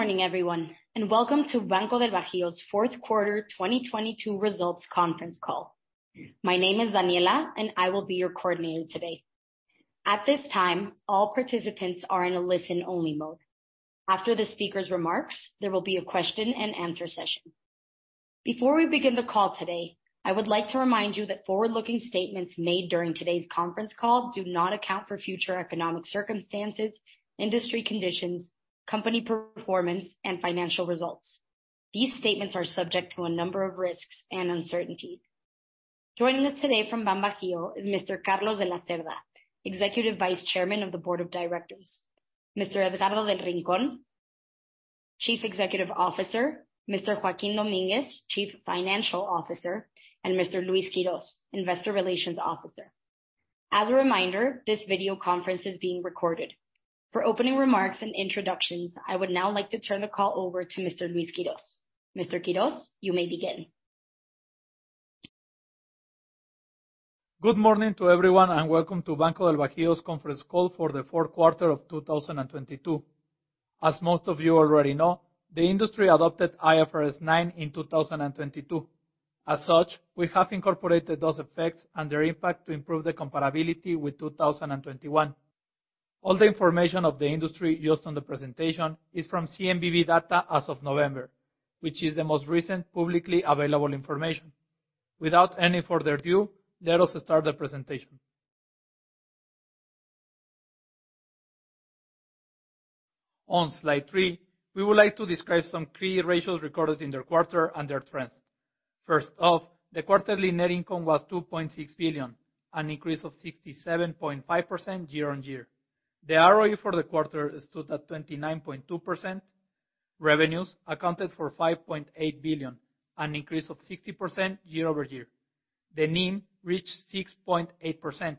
Good morning, everyone, and welcome to Banco del Bajío's fourth quarter 2022 results conference call. My name is Daniela, and I will be your coordinator today. At this time, all participants are in a listen-only mode. After the speaker's remarks, there will be a question-and-answer session. Before we begin the call today, I would like to remind you that forward-looking statements made during today's conference call do not account for future economic circumstances, industry conditions, company performance, and financial results. These statements are subject to a number of risks and uncertainties. Joining us today from BanBajío is Mr. Carlos de la Cerda, Executive Vice Chairman of the Board of Directors, Mr. Edgardo del Rincón, Chief Executive Officer, Mr. Joaquín Domínguez, Chief Financial Officer, and Mr. Luis Quiroz, Investor Relations Officer. As a reminder, this video conference is being recorded. For opening remarks and introductions, I would now like to turn the call over to Mr. Luis Quiroz. Mr. Quiroz, you may begin. Good morning to everyone, welcome to Banco del Bajío's conference call for the fourth quarter of 2022. As most of you already know, the industry adopted IFRS 9 in 2022. As such, we have incorporated those effects and their impact to improve the comparability with 2021. All the information of the industry used on the presentation is from CNBV data as of November, which is the most recent publicly available information. Without any further ado, let us start the presentation. On slide 3, we would like to describe some key ratios recorded in the quarter and their trends. First off, the quarterly net income was 2.6 billion, an increase of 67.5% year-over-year. The ROE for the quarter stood at 29.2%. Revenues accounted for 5.8 billion, an increase of 60% year-over-year. The NIM reached 6.8%,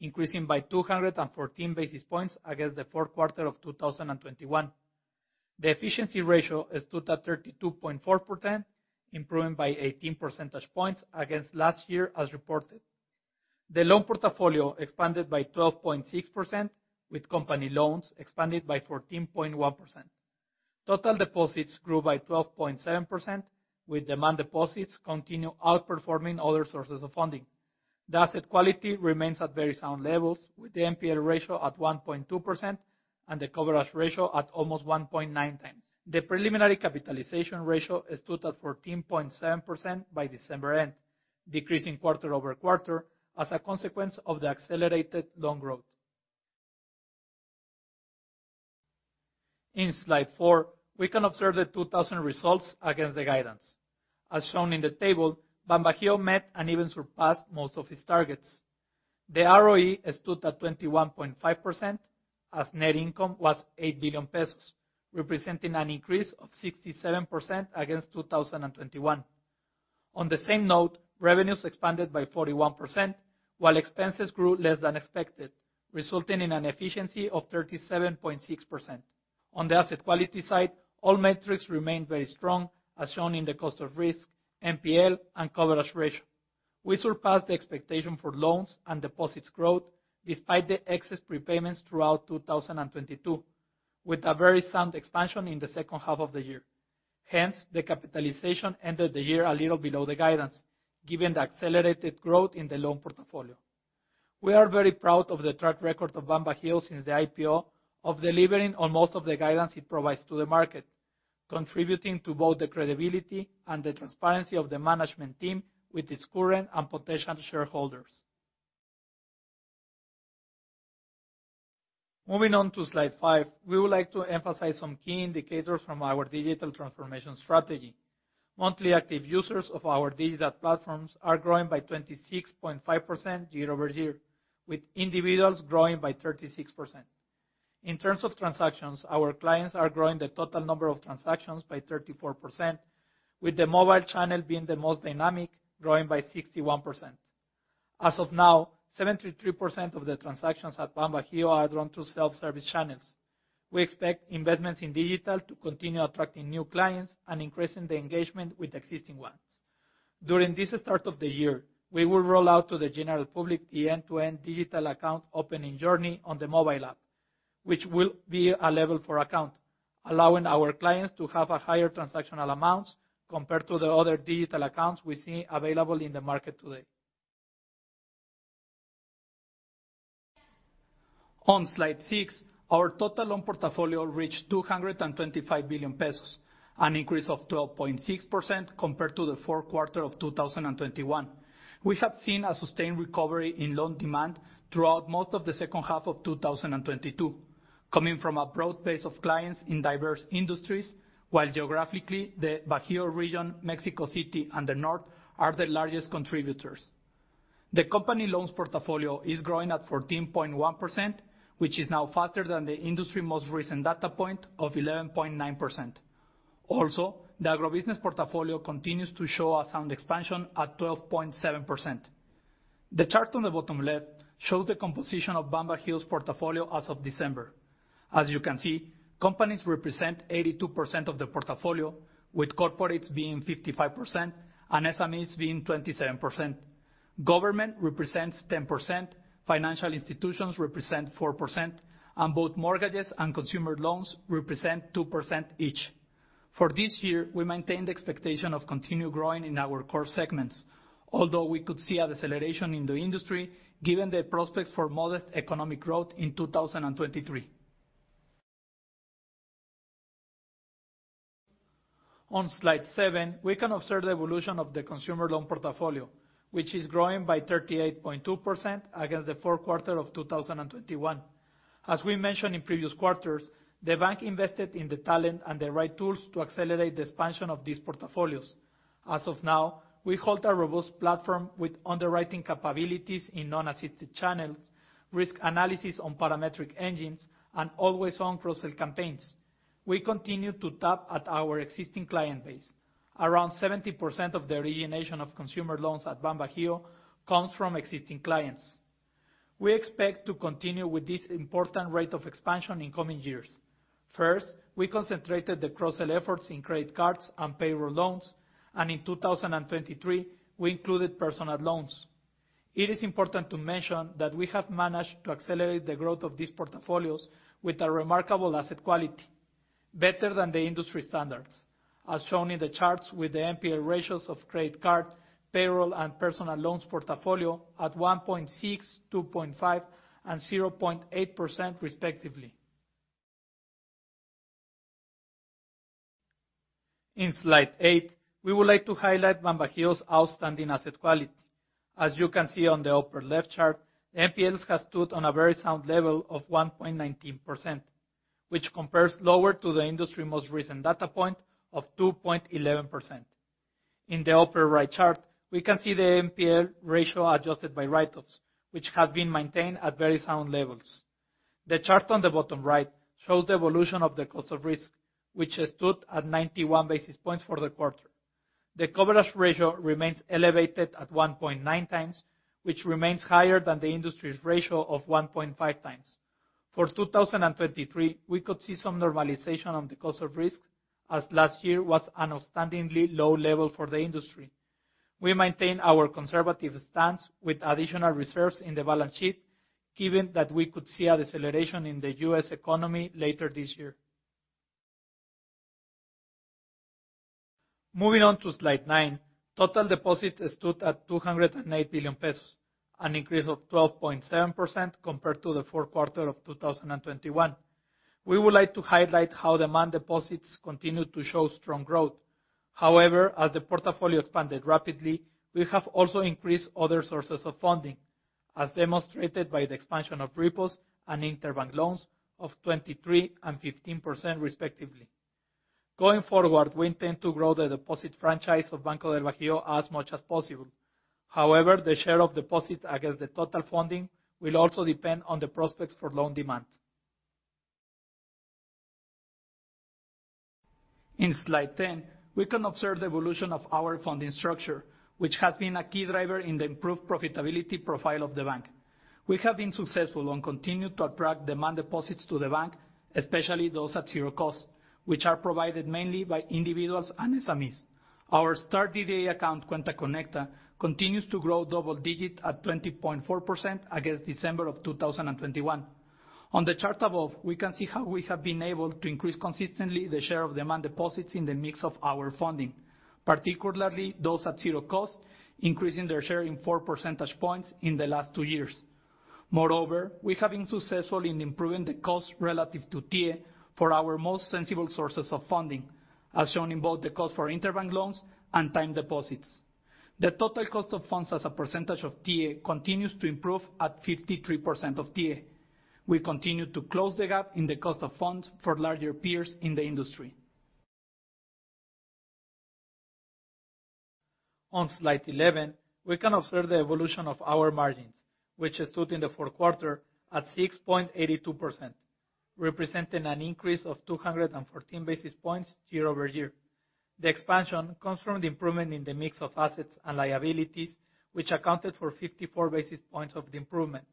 increasing by 214 basis points against the fourth quarter of 2021. The efficiency ratio stood at 32.4%, improving by 18 percentage points against last year as reported. The loan portfolio expanded by 12.6%, with company loans expanded by 14.1%. Total deposits grew by 12.7%, with demand deposits continue outperforming other sources of funding. The asset quality remains at very sound levels, with the NPL ratio at 1.2% and the coverage ratio at almost 1.9x. The preliminary capitalization ratio stood at 14.7% by December end, decreasing quarter-over-quarter as a consequence of the accelerated loan growth. In slide 4, we can observe the 2000 results against the guidance. As shown in the table, BanBajío met and even surpassed most of its targets. The ROE stood at 21.5% as net income was 8 billion pesos, representing an increase of 67% against 2021. On the same note, revenues expanded by 41% while expenses grew less than expected, resulting in an efficiency of 37.6%. On the asset quality side, all metrics remained very strong, as shown in the cost of risk, NPL, and coverage ratio. We surpassed the expectation for loans and deposits growth despite the excess prepayments throughout 2022, with a very sound expansion in the second half of the year. The capitalization ended the year a little below the guidance, given the accelerated growth in the loan portfolio. We are very proud of the track record of BanBajío since the IPO of delivering on most of the guidance it provides to the market, contributing to both the credibility and the transparency of the management team with its current and potential shareholders. Moving on to slide 5, we would like to emphasize some key indicators from our digital transformation strategy. Monthly active users of our digital platforms are growing by 26.5% year-over-year, with individuals growing by 36%. In terms of transactions, our clients are growing the total number of transactions by 34%, with the mobile channel being the most dynamic, growing by 61%. As of now, 73% of the transactions at BanBajío are done through self-service channels. We expect investments in digital to continue attracting new clients and increasing the engagement with existing ones. During this start of the year, we will roll out to the general public the end-to-end digital account opening journey on the mobile app, which will be a Level 4 account, allowing our clients to have higher transactional amounts compared to the other digital accounts we see available in the market today. On slide 6, our total loan portfolio reached 225 billion pesos, an increase of 12.6% compared to the fourth quarter of 2021. We have seen a sustained recovery in loan demand throughout most of the second half of 2022, coming from a broad base of clients in diverse industries. While geographically, the Bajío region, Mexico City, and the North are the largest contributors. The company loans portfolio is growing at 14.1%, which is now faster than the industry most recent data point of 11.9%. Also, the agribusiness portfolio continues to show a sound expansion at 12.7%. The chart on the bottom left shows the composition of BanBajío's portfolio as of December. As you can see, companies represent 82% of the portfolio, with corporates being 55% and SMEs being 27%. Government represents 10%, financial institutions represent 4%, and both mortgages and consumer loans represent 2% each. For this year, we maintain the expectation of continued growing in our core segments, although we could see a deceleration in the industry given the prospects for modest economic growth in 2023. On slide 7, we can observe the evolution of the consumer loan portfolio, which is growing by 38.2% against the fourth quarter of 2021. As we mentioned in previous quarters, the bank invested in the talent and the right tools to accelerate the expansion of these portfolios. As of now, we hold a robust platform with underwriting capabilities in non-assisted channels, risk analysis on parametric engines, and always-on cross-sell campaigns. We continue to tap at our existing client base. Around 70% of the origination of consumer loans at BanBajío comes from existing clients. We expect to continue with this important rate of expansion in coming years. First, we concentrated the cross-sell efforts in credit cards and payroll loans, and in 2023, we included personal loans. It is important to mention that we have managed to accelerate the growth of these portfolios with a remarkable asset quality better than the industry standards, as shown in the charts with the NPL ratios of credit card, payroll, and personal loans portfolio at 1.6%, 2.5%, and 0.8% respectively. In slide 8, we would like to highlight BanBajío's outstanding asset quality. As you can see on the upper left chart, NPLs has stood on a very sound level of 1.19%, which compares lower to the industry most recent data point of 2.11%. In the upper right chart, we can see the NPL ratio adjusted by write-offs, which has been maintained at very sound levels. The chart on the bottom right shows the evolution of the cost of risk, which has stood at 91 basis points for the quarter. The coverage ratio remains elevated at 1.9x, which remains higher than the industry's ratio of 1.5x. For 2023, we could see some normalization on the cost of risk as last year was an outstandingly low level for the industry. We maintain our conservative stance with additional reserves in the balance sheet given that we could see a deceleration in the U.S. economy later this year. Moving on to slide 9, total deposits stood at 208 billion pesos, an increase of 12.7% compared to the fourth quarter of 2021. We would like to highlight how demand deposits continued to show strong growth. As the portfolio expanded rapidly, we have also increased other sources of funding, as demonstrated by the expansion of repos and interbank loans of 23% and 15% respectively. Going forward, we intend to grow the deposit franchise of Banco del Bajío as much as possible. The share of deposits against the total funding will also depend on the prospects for loan demand. In slide 10, we can observe the evolution of our funding structure, which has been a key driver in the improved profitability profile of the bank. We have been successful on continuing to attract demand deposits to the bank, especially those at zero cost, which are provided mainly by individuals and SMEs. Our DDA account, Cuenta Conecta, continues to grow double-digit at 20.4% against December of 2021. On the chart above, we can see how we have been able to increase consistently the share of demand deposits in the mix of our funding, particularly those at zero cost, increasing their share in four percentage points in the last two years. Moreover, we have been successful in improving the cost relative to TIIE for our most sensible sources of funding, as shown in both the cost for interbank loans and time deposits. The total cost of funds as a percentage of TIIE continues to improve at 53% of TIIE. We continue to close the gap in the cost of funds for larger peers in the industry. On slide 11, we can observe the evolution of our margins, which stood in the fourth quarter at 6.82%, representing an increase of 214 basis points year-over-year. The expansion comes from the improvement in the mix of assets and liabilities, which accounted for 54 basis points of the improvement,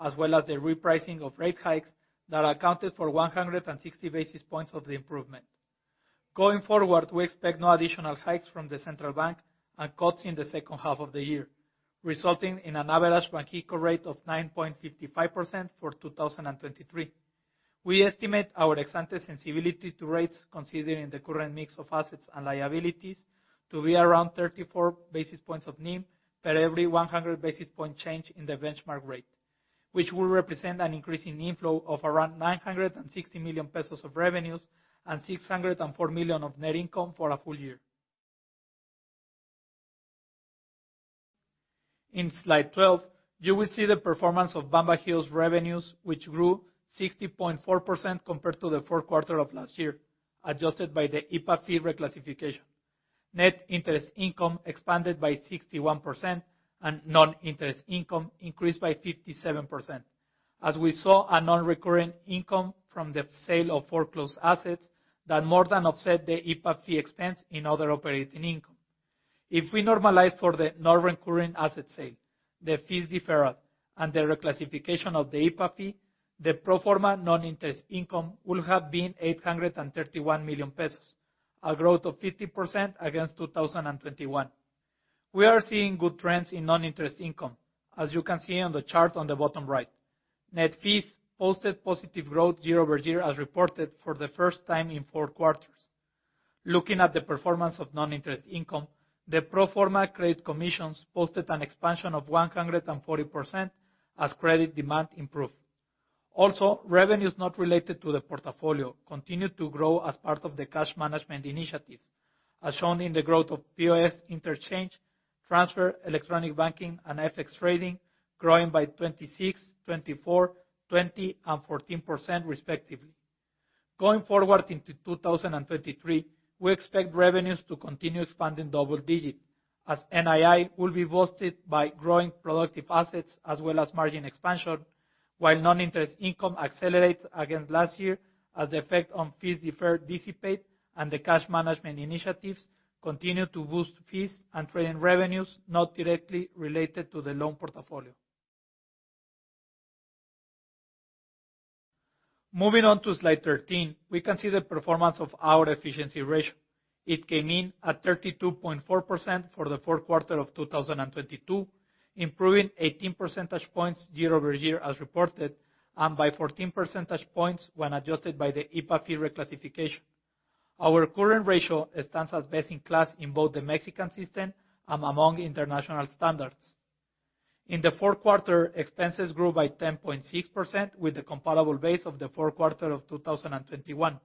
as well as the repricing of rate hikes that accounted for 160 basis points of the improvement. Going forward, we expect no additional hikes from the central bank and cuts in the second half of the year, resulting in an average BanBajío rate of 9.55% for 2023. We estimate our ex ante sensibility to rates considering the current mix of assets and liabilities to be around 34 basis points of NIM per every 100 basis point change in the benchmark rate, which will represent an increase in inflow of around 960 million pesos of revenues and 604 million of net income for a full year. In slide 12, you will see the performance of BanBajío's revenues, which grew 60.4% compared to the fourth quarter of last year, adjusted by the IPAB fee reclassification. Net interest income expanded by 61% and non-interest income increased by 57%, as we saw a non-recurring income from the sale of foreclosed assets that more than offset the IPAB fee expense in other operating income. If we normalize for the non-recurring asset sale, the fees deferral, and the reclassification of the IPAB fee, the pro forma non-interest income would have been 831 million pesos. A growth of 50% against 2021. We are seeing good trends in non-interest income, as you can see on the chart on the bottom right. Net fees posted positive growth year-over-year as reported for the first time in four quarters. Looking at the performance of non-interest income, the pro forma credit commissions posted an expansion of 140% as credit demand improved. Also, revenues not related to the portfolio continued to grow as part of the cash management initiatives, as shown in the growth of POS interchange, transfer, electronic banking, and FX trading, growing by 26, 24, 20, and 14% respectively. Going forward into 2023, we expect revenues to continue expanding double-digit as NII will be boosted by growing productive assets as well as margin expansion, while non-interest income accelerates against last year as the effect on fees deferred dissipate and the cash management initiatives continue to boost fees and trading revenues not directly related to the loan portfolio. Moving on to slide 13, we can see the performance of our efficiency ratio. It came in at 32.4% for the fourth quarter of 2022, improving 18 percentage points year-over-year as reported, and by 14 percentage points when adjusted by the IPAB fee reclassification. Our current ratio stands as best in class in both the Mexican system and among international standards. In the fourth quarter, expenses grew by 10.6% with the comparable base of the fourth quarter of 2021.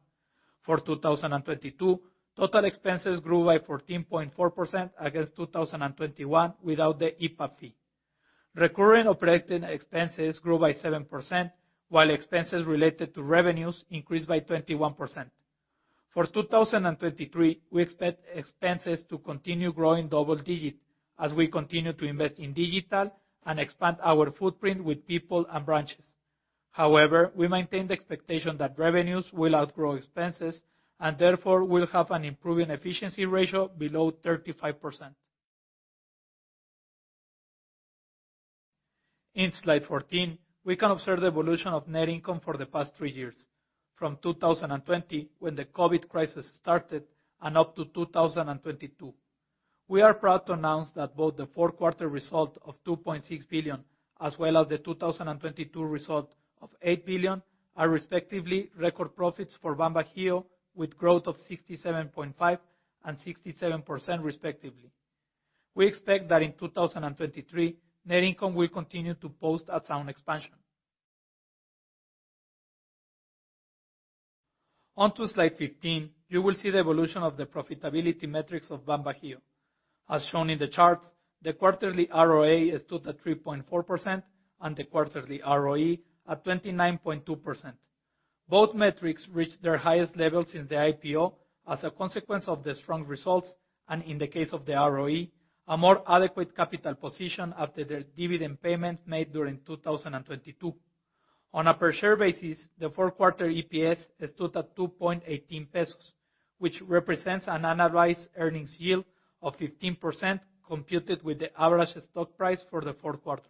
For 2022, total expenses grew by 14.4% against 2021 without the IPAB fee. Recurring operating expenses grew by 7%, while expenses related to revenues increased by 21%. For 2023, we expect expenses to continue growing double digit as we continue to invest in digital and expand our footprint with people and branches. We maintain the expectation that revenues will outgrow expenses, and therefore will have an improving efficiency ratio below 35%. In slide 14, we can observe the evolution of net income for the past three years, from 2020, when the COVID crisis started, and up to 2022. We are proud to announce that both the fourth quarter result of 2.6 billion, as well as the 2022 result of 8 billion, are respectively record profits for BanBajío, with growth of 67.5 and 67% respectively. We expect that in 2023, net income will continue to post a sound expansion. On to slide 15, you will see the evolution of the profitability metrics of BanBajío. As shown in the charts, the quarterly ROA stood at 3.4%, and the quarterly ROE at 29.2%. Both metrics reached their highest levels in the IPO as a consequence of the strong results, and in the case of the ROE, a more adequate capital position after their dividend payment made during 2022. On a per share basis, the fourth quarter EPS stood at 2.18 pesos, which represents an annualized earnings yield of 15%, computed with the average stock price for the fourth quarter.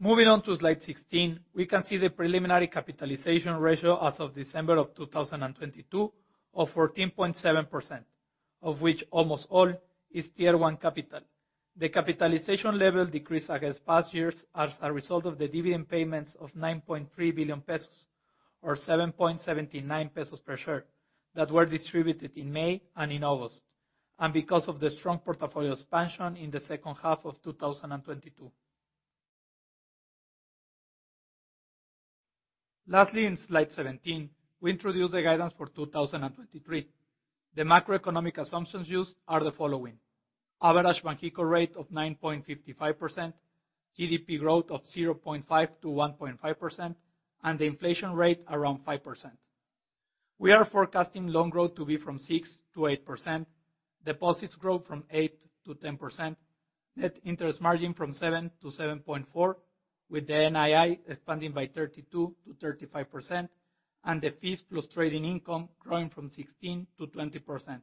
Moving on to slide 16, we can see the preliminary capitalization ratio as of December of 2022 of 14.7%, of which almost all is Tier 1 capital. The capitalization level decreased against past years as a result of the dividend payments of 9.3 billion pesos, or 7.79 pesos per share, that were distributed in May and in August, and because of the strong portfolio expansion in the second half of 2022. Lastly, in slide 17, we introduce the guidance for 2023. The macroeconomic assumptions used are the following: average BanBajio rate of 9.55%, GDP growth of 0.5%-1.5%, and the inflation rate around 5%. We are forecasting loan growth to be from 6%-8%, deposits growth from 8%-10%, net interest margin from 7%-7.4%, with the NII expanding by 32%-35%, and the fees plus trading income growing from 16%-20%.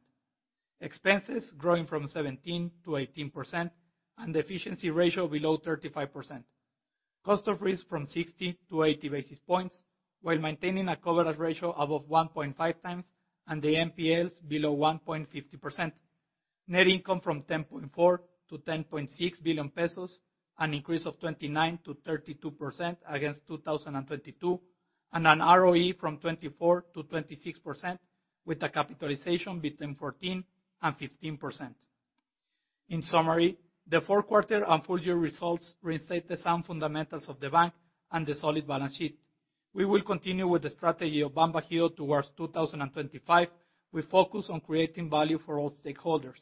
Expenses growing from 17%-18%, Efficiency ratio below 35%. Cost of risk from 60-80 basis points, while maintaining a coverage ratio above 1.5x, and the NPLs below 1.50%. Net income from 10.4 billion-10.6 billion pesos, an increase of 29%-32% against 2022, and an ROE from 24%-26%, with a capitalization between 14% and 15%. In summary, the fourth quarter and full year results reinstate the sound fundamentals of the bank and the solid balance sheet. We will continue with the strategy of BanBajío towards 2025. We focus on creating value for all stakeholders.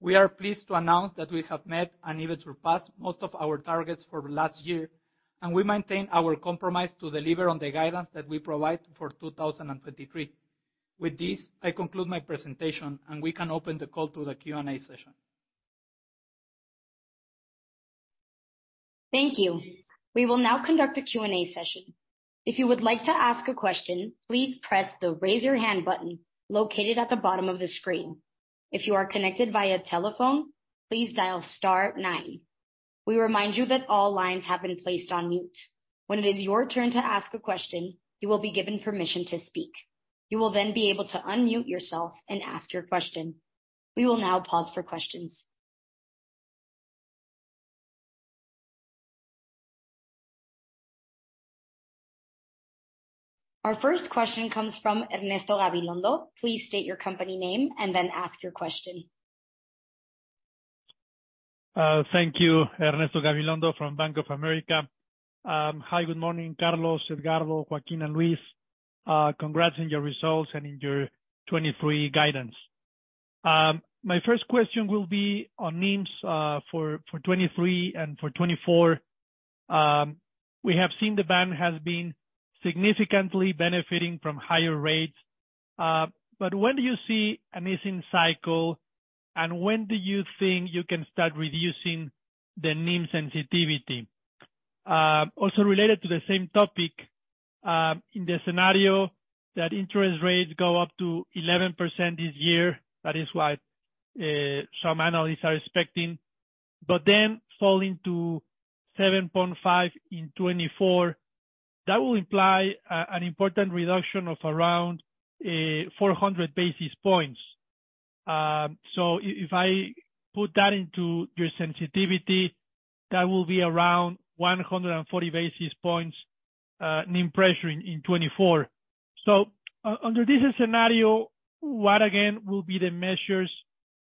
We are pleased to announce that we have met and even surpassed most of our targets for last year. We maintain our compromise to deliver on the guidance that we provide for 2023. With this, I conclude my presentation. We can open the call to the Q&A session. Thank you. We will now conduct a Q&A session. If you would like to ask a question, please press the Raise Your Hand button located at the bottom of the screen. If you are connected via telephone, please dial star nine. We remind you that all lines have been placed on mute. When it is your turn to ask a question, you will be given permission to speak. You will then be able to unmute yourself and ask your question. We will now pause for questions. Our first question comes from Ernesto Gabilondo. Please state your company name and then ask your question. Thank you. Ernesto Gabilondo from Bank of America. Hi, good morning Carlos, Edgardo del Rincón, Joaquín Domínguez, and Luis. Congrats on your results and in your 2023 guidance. My first question will be on NIMs for 2023 and for 2024. We have seen the BanBajío has been significantly benefiting from higher rates. When do you see a missing cycle, and when do you think you can start reducing the NIM sensitivity? Also related to the same topic, in the scenario that interest rates go up to 11% this year, that is what some analysts are expecting, but then falling to 7.5% in 2024, that will imply an important reduction of around 400 basis points. If I put that into your sensitivity, that will be around 140 basis points NIM pressure in 2024. Under this scenario, what again will be the measures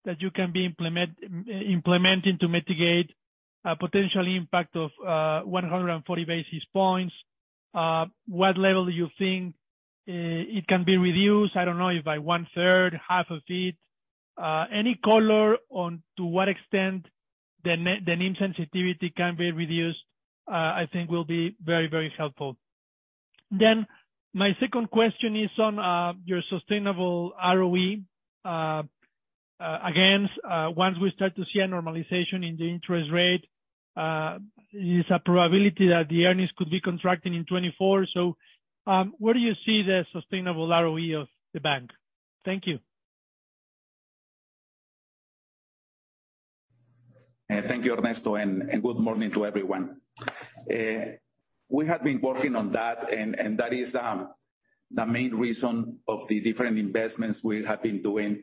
that you can be implementing to mitigate a potential impact of 140 basis points? What level do you think it can be reduced? I don't know if by one third, half of it. Any color on to what extent the NIM sensitivity can be reduced, I think will be very, very helpful. My second question is on your sustainable ROE. Again, once we start to see a normalization in the interest rate, is a probability that the earnings could be contracting in 2024. Where do you see the sustainable ROE of the bank? Thank you. Thank you, Ernesto, and good morning to everyone. We have been working on that, and that is the main reason of the different investments we have been doing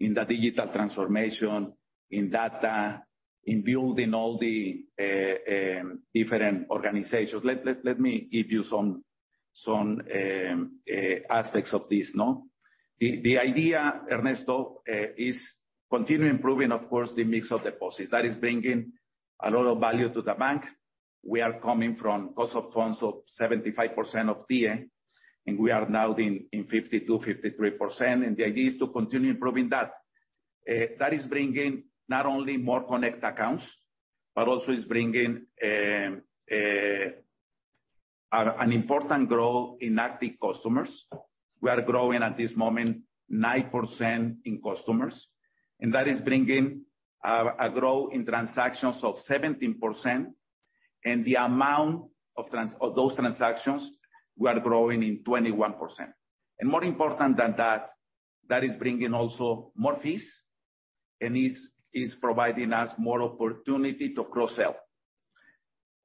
in the digital transformation, in data, in building all the different organizations. Let me give you some aspects of this, no? The idea, Ernesto, is continue improving, of course, the mix of deposits. That is bringing a lot of value to the bank. We are coming from cost of funds of 75% of TIIE, we are now in 52%-53%, and the idea is to continue improving that. That is bringing not only more connect accounts, but also is bringing an important growth in active customers. We are growing at this moment 9% in customers. That is bringing a growth in transactions of 17%. The amount of those transactions, we are growing in 21%. More important than that is bringing also more fees and is providing us more opportunity to cross-sell.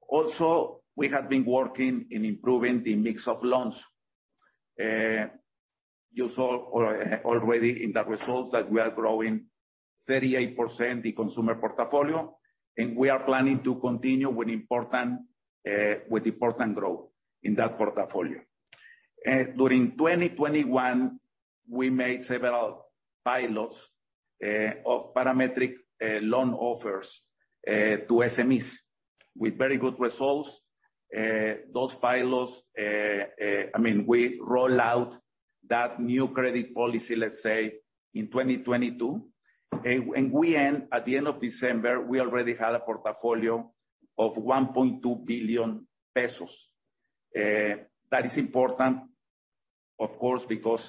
Also, we have been working in improving the mix of loans. You saw already in the results that we are growing 38% the consumer portfolio, and we are planning to continue with important growth in that portfolio. During 2021 we made several pilots of parametric loan offers to SMEs with very good results. Those pilots, I mean, we roll out that new credit policy, let's say, in 2022. At the end of December, we already had a portfolio of 1.2 billion pesos. That is important of course because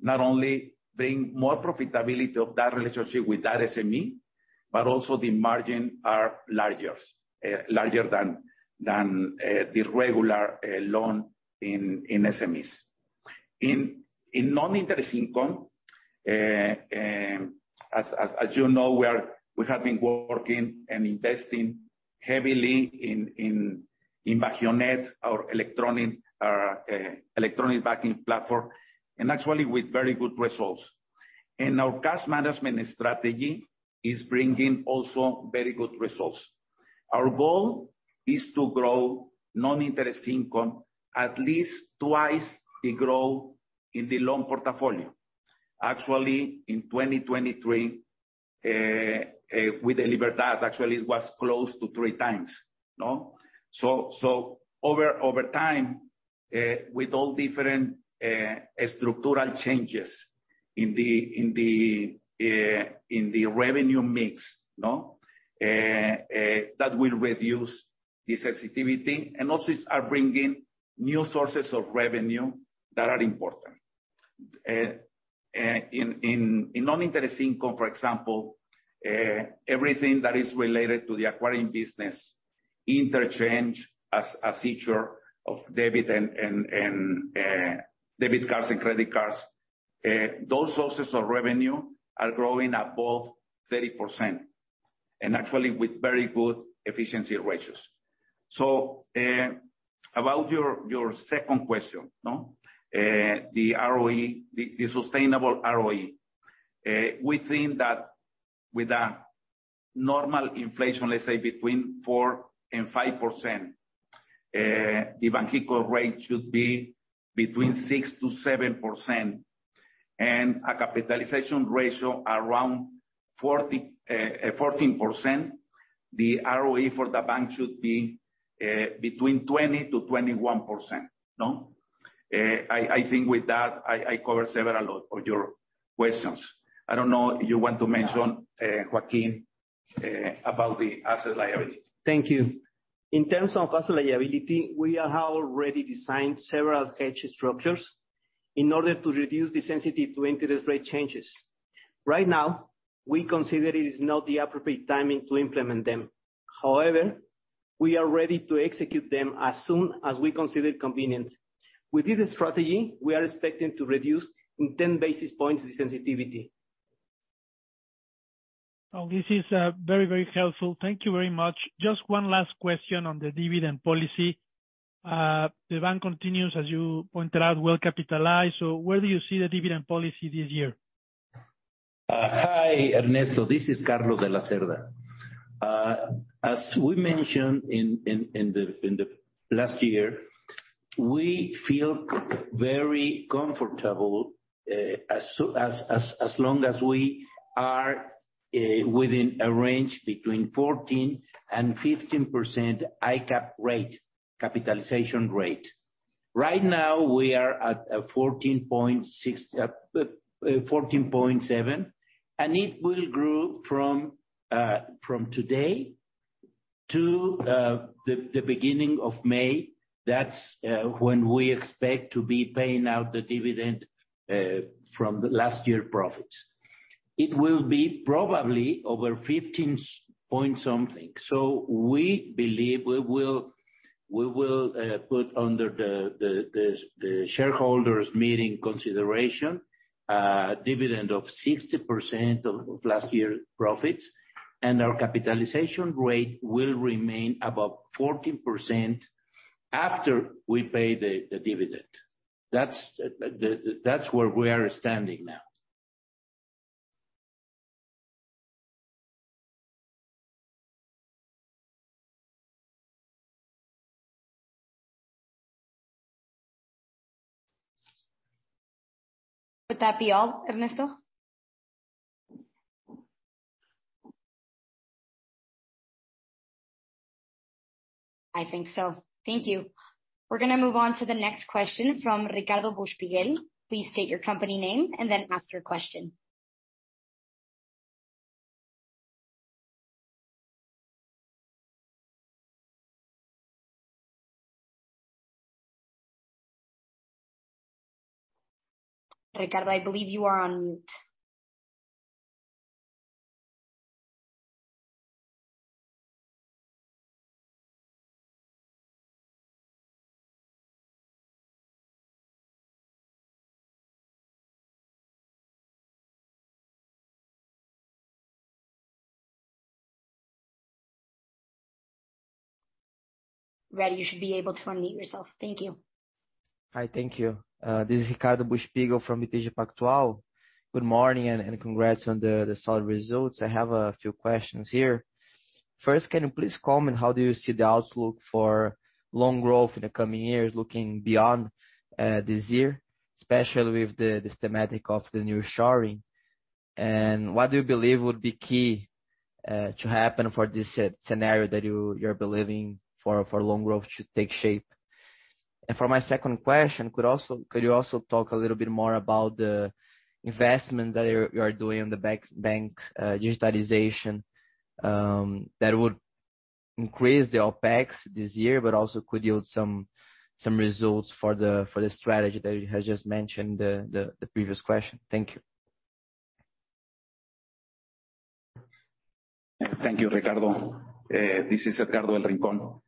not only bring more profitability of that relationship with that SME, but also the margin are largers, larger than the regular loan in SMEs. In non-interest income, as you know, we have been working and investing heavily in BajíoNet, our electronic banking platform, and actually with very good results. Our cash management strategy is bringing also very good results. Our goal is to grow non-interest income at least twice the growth in the loan portfolio. Actually, in 2023, with the Libertad, actually it was close to 3x, no? Over time, with all different structural changes in the revenue mix, that will reduce the sensitivity and also is bringing new sources of revenue that are important. In non-interest income, for example, everything that is related to the acquiring business. Interchange as feature of debit and credit cards. Those sources of revenue are growing above 30%, and actually with very good efficiency ratios. About your second question, the ROE, the sustainable ROE. We think that with a normal inflation, let's say between 4% and 5%, the Banxico rate should be between 6%-7% and a capitalization ratio around 14%. The ROE for the bank should be, between 20%-21%, no? I think with that I covered several of your questions. I don't know if you want to mention, Joaquín, about the asset liability. Thank you. In terms of asset liability, we have already designed several hedge structures in order to reduce the sensitivity to interest rate changes. Right now, we consider it is not the appropriate timing to implement them. We are ready to execute them as soon as we consider it convenient. With this strategy, we are expecting to reduce in 10 basis points the sensitivity. This is very, very helpful. Thank you very much. Just one last question on the dividend policy. The bank continues, as you pointed out, well capitalized, so where do you see the dividend policy this year? Hi, Ernesto. This is Carlos de la Cerda. As we mentioned in the last year, we feel very comfortable as long as we are within a range between 14% and 15% ICAP rate, capitalization rate. Right now we are at a 14.7%, and it will grow from today to the beginning of May. That's when we expect to be paying out the dividend from the last year profits. It will be probably over 15 point something. We believe we will put under the shareholders meeting consideration a dividend of 60% of last year profits, and our capitalization rate will remain above 14% after we pay the dividend. That's the... That's where we are standing now. Would that be all, Ernesto? I think so. Thank you. We're gonna move on to the next question from Ricardo Buchpiguel. Please state your company name and then ask your question. Ricardo, I believe you are on mute. Ready. You should be able to unmute yourself. Thank you. Hi. Thank you. This is Ricardo Buchpiguel from BTG Pactual. Good morning, and congrats on the solid results. I have a few questions here. First, can you please comment how do you see the outlook for loan growth in the coming years, looking beyond this year, especially with this thematic of the nearshoring? What do you believe would be key to happen for this scenario that you're believing for loan growth to take shape? For my second question, could you also talk a little bit more about the investment that you're doing on the bank's digitalization that would increase the OpEx this year but also could yield some results for the strategy that you had just mentioned the previous question? Thank you. Thank you, Ricardo. This is Edgardo del Rincón.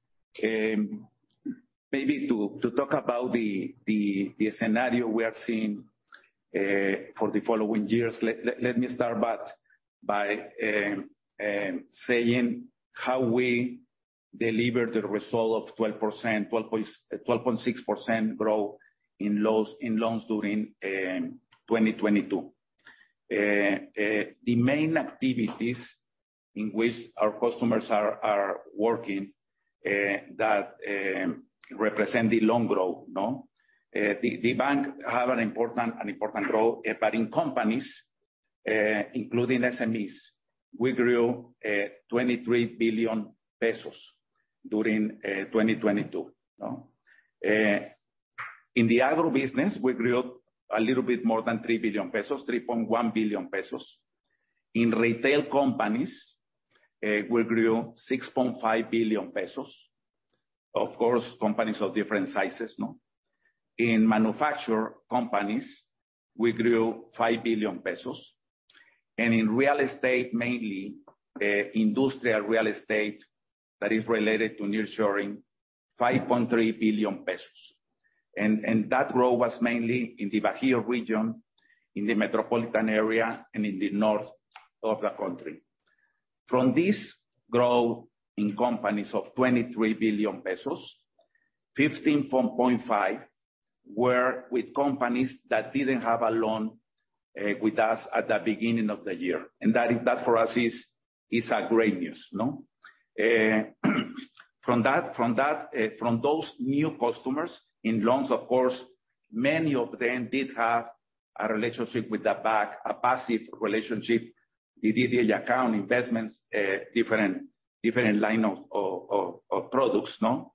Maybe to talk about the scenario we are seeing for the following years, let me start back by saying how we delivered the result of 12%, 12.6% growth in loans during 2022. The main activities in which our customers are working that represent the loan growth, no? The bank have an important role, but in companies, including SMEs, we grew 23 billion pesos during 2022, no? In the agro business, we grew a little bit more than 3 billion pesos, 3.1 billion pesos. In retail companies, we grew 6.5 billion pesos. Of course, companies of different sizes, no? In manufacturer companies, we grew 5 billion pesos. In real estate, mainly, industrial real estate that is related to nearshoring, 5.3 billion pesos. That growth was mainly in the Bajío region, in the metropolitan area, and in the north of the country. From this growth in companies of 23 billion pesos, 15.5 were with companies that didn't have a loan with us at the beginning of the year. That for us is a great news, no? From that, from those new customers, in loans of course, many of them did have a relationship with the bank, a passive relationship. They did the account investments, different line of products, no?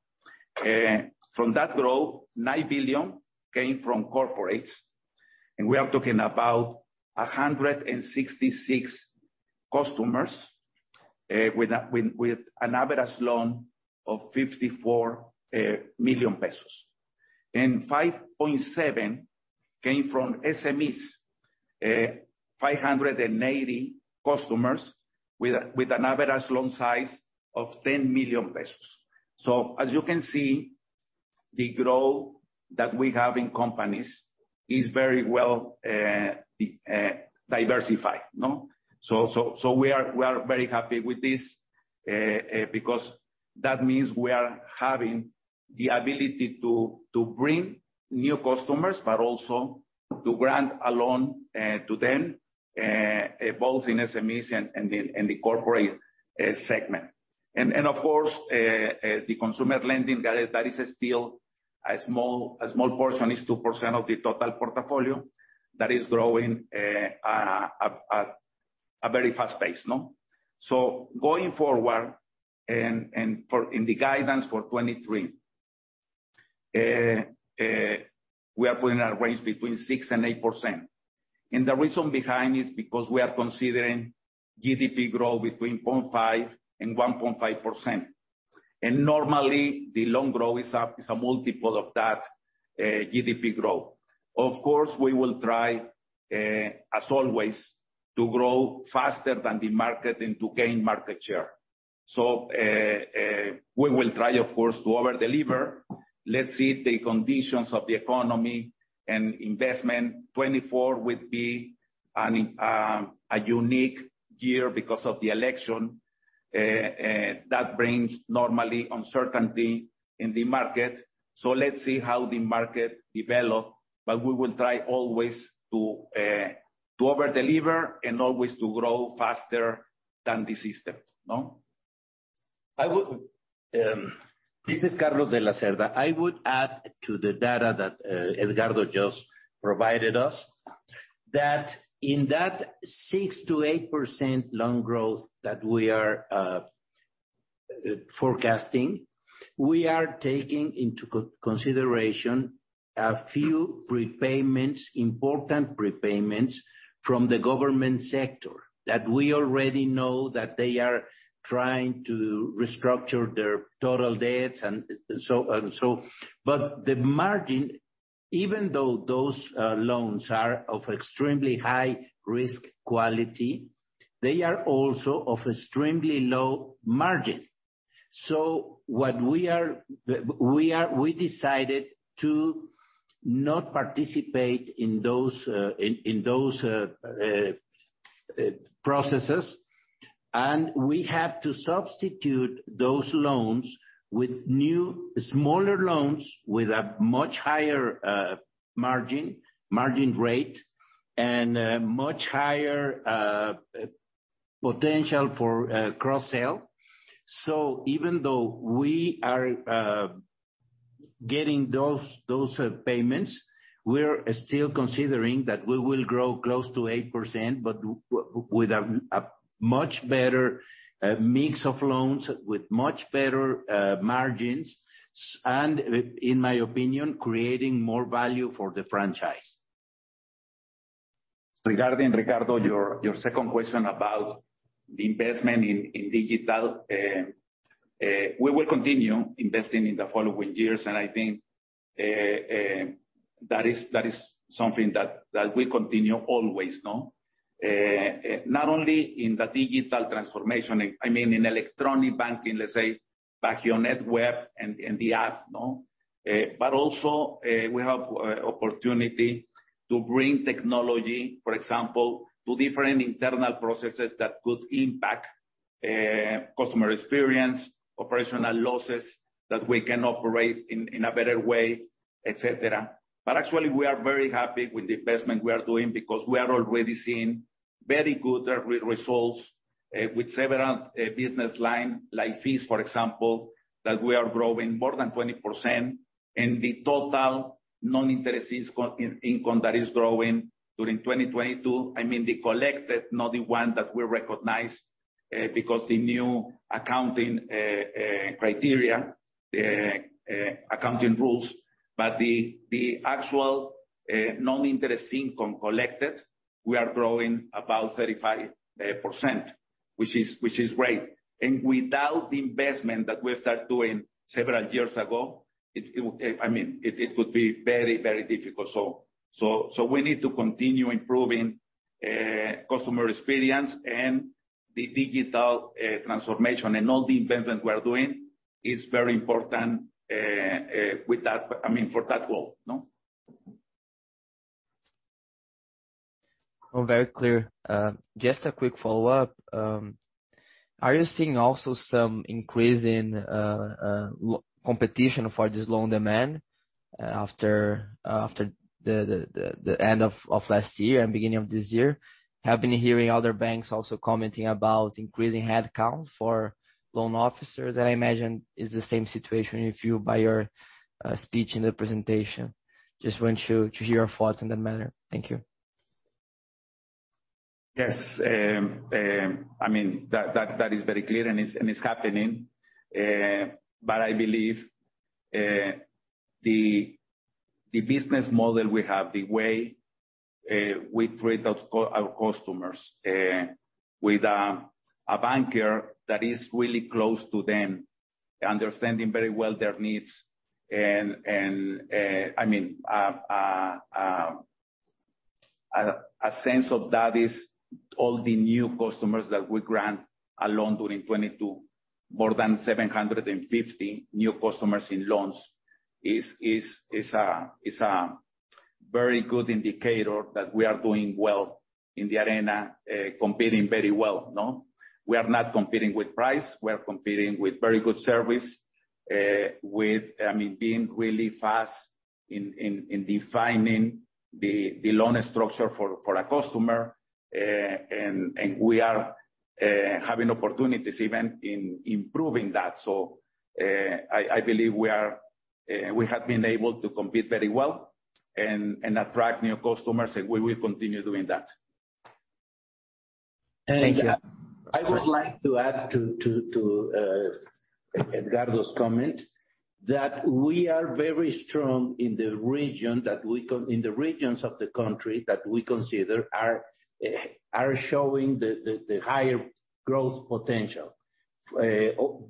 From that growth, 9 billion came from corporates, we are talking about 166 customers with an average loan of 54 million MXN. 5.7 came from SMEs, 580 customers with an average loan size of 10 million pesos. As you can see, the growth that we have in companies is very well diversified, no? So we are very happy with this because that means we are having the ability to bring new customers, but also to grant a loan to them, both in SMEs and the corporate segment. And of course, the consumer lending that is still a small portion. It's 2% of the total portfolio that is growing at a very fast pace, no? Going forward for in the guidance for 2023, we are putting our range between 6% and 8%. The reason behind is because we are considering GDP growth between 0.5% and 1.5%. Normally, the loan growth is a multiple of that GDP growth. Of course, we will try, as always, to grow faster than the market and to gain market share. We will try of course to over-deliver. Let's see the conditions of the economy and investment. 2024 will be a unique year because of the election. That brings normally uncertainty in the market. Let's see how the market develop, but we will try always to to over-deliver and always to grow faster than the system, no? This is Carlos de la Cerda. I would add to the data that Edgardo just provided us, that in that 6%-8% loan growth that we are forecasting, we are taking into consideration a few prepayments, important prepayments from the government sector that we already know that they are trying to restructure their total debts and so on. The margin, even though those loans are of extremely high risk quality, they are also of extremely low margin. What we decided to not participate in those processes, and we have to substitute those loans with new, smaller loans with a much higher margin rate and much higher potential for cross-sale. Even though we are getting those payments, we're still considering that we will grow close to 8%, with a much better mix of loans, with much better margins, and in my opinion, creating more value for the franchise. Regarding, Ricardo, your second question about the investment in digital, we will continue investing in the following years. I think that is something that we continue always, no? Not only in the digital transformation, I mean, in electronic banking, let's say, BajioNet Web and the app, no? But also, we have opportunity to bring technology, for example, to different internal processes that could impact customer experience, operational losses that we can operate in a better way, et cetera. Actually, we are very happy with the investment we are doing because we are already seeing very good results with several business line, like fees, for example, that we are growing more than 20%. The total non-interest income that is growing during 2022, I mean, the collected, not the one that we recognize, because the new accounting criteria accounting rules. The actual non-interest income collected, we are growing about 35%. Which is great. Without the investment that we started doing several years ago, it would, I mean, it would be very, very difficult. We need to continue improving customer experience and the digital transformation. All the investment we are doing is very important with that, I mean, for that goal, no? Oh, very clear. Just a quick follow-up. Are you seeing also some increase in competition for this loan demand after the end of last year and beginning of this year? Have been hearing other banks also commenting about increasing headcount for loan officers. I imagine it's the same situation with you by your speech in the presentation. Just want to hear your thoughts on that matter. Thank you. Yes. I mean, that is very clear, and it's, and it's happening. I believe the business model we have, the way we treat our customers, with a banker that is really close to them, understanding very well their needs and, I mean, a sense of that is all the new customers that we grant a loan during 2022, more than 750 new customers in loans, is a very good indicator that we are doing well in the arena, competing very well. No? We are not competing with price. We are competing with very good service, with, I mean, being really fast in defining the loan structure for a customer. And we are having opportunities even in improving that. I believe we have been able to compete very well and attract new customers, and we will continue doing that. Thank you. I would like to add to Edgardo's comment that we are very strong in the regions of the country that we consider are showing the higher growth potential,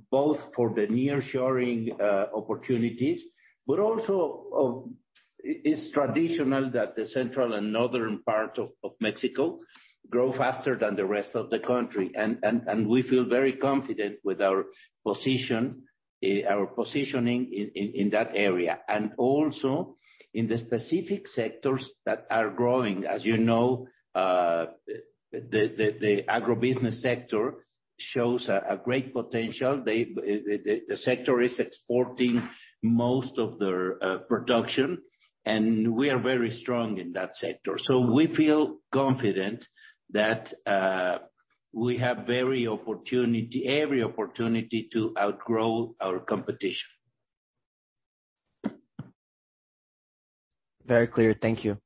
both for the nearshoring opportunities. Also, it's traditional that the central and northern part of Mexico grow faster than the rest of the country. We feel very confident with our position, our positioning in that area. Also in the specific sectors that are growing. As you know, the agribusiness sector shows a great potential. The sector is exporting most of their production, and we are very strong in that sector. We feel confident that we have every opportunity to outgrow our competition. Very clear. Thank you.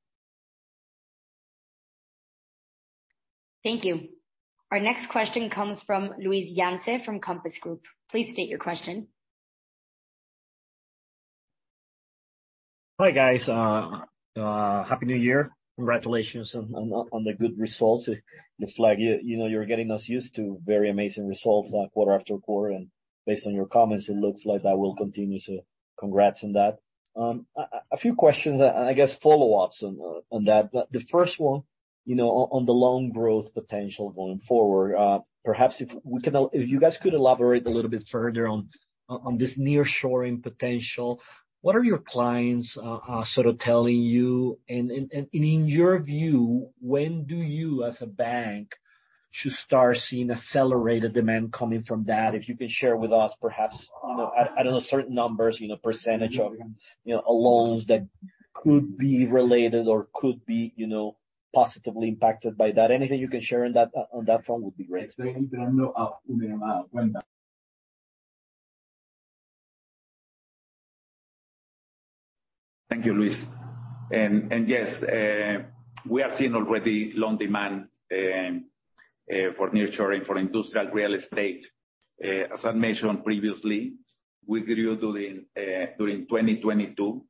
Thank you. Our next question comes from Luis Laviada from Compass Group. Please state your question. Hi, guys. Happy New Year. Congratulations on the good results. It looks like, you know, you're getting us used to very amazing results quarter after quarter. Based on your comments, it looks like that will continue, congrats on that. A few questions, I guess follow-ups on that. The first one, you know, on the loan growth potential going forward, perhaps if you guys could elaborate a little bit further on this nearshoring potential. What are your clients sort of telling you? In your view, when do you, as a bank, should start seeing accelerated demand coming from that? If you could share with us, perhaps, you know, I don't know, certain numbers, you know, percentage of, you know, loans that could be related or could be, you know, positively impacted by that. Anything you can share on that, on that front would be great. Thank you, Luis. Yes, we are seeing already loan demand for nearshoring, for industrial real estate. As I mentioned previously, we grew during 2022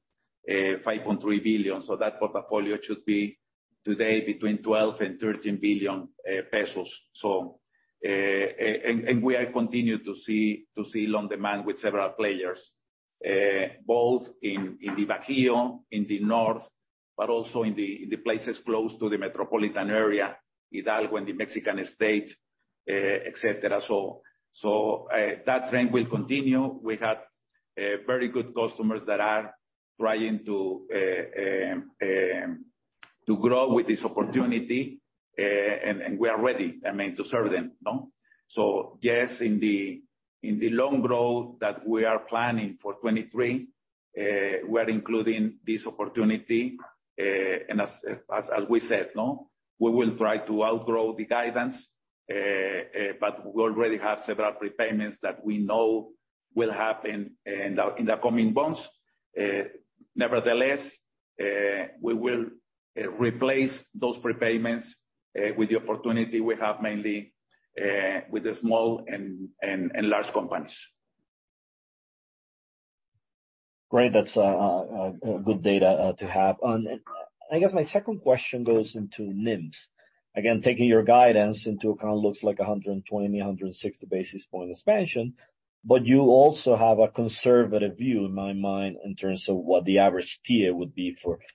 5.3 billion. That portfolio should be today between 12 billion and 13 billion pesos. We are continuing to see loan demand with several players, both in the Bajío, in the North, but also in the places close to the metropolitan area, Hidalgo and the Mexican state, et cetera. That trend will continue. We have very good customers that are trying to grow with this opportunity. We are ready, I mean, to serve them. No? Yes, in the loan growth that we are planning for 2023, we're including this opportunity. As we said, no? We will try to outgrow the guidance, but we already have several prepayments that we know will happen in the coming months. Nevertheless, we will replace those prepayments with the opportunity we have mainly with the small and large companies. Great. That's good data to have. I guess my second question goes into NIM. Again, taking your guidance into account, looks like 120-160 basis point expansion, but you also have a conservative view, in my mind, in terms of what the average tier would be for this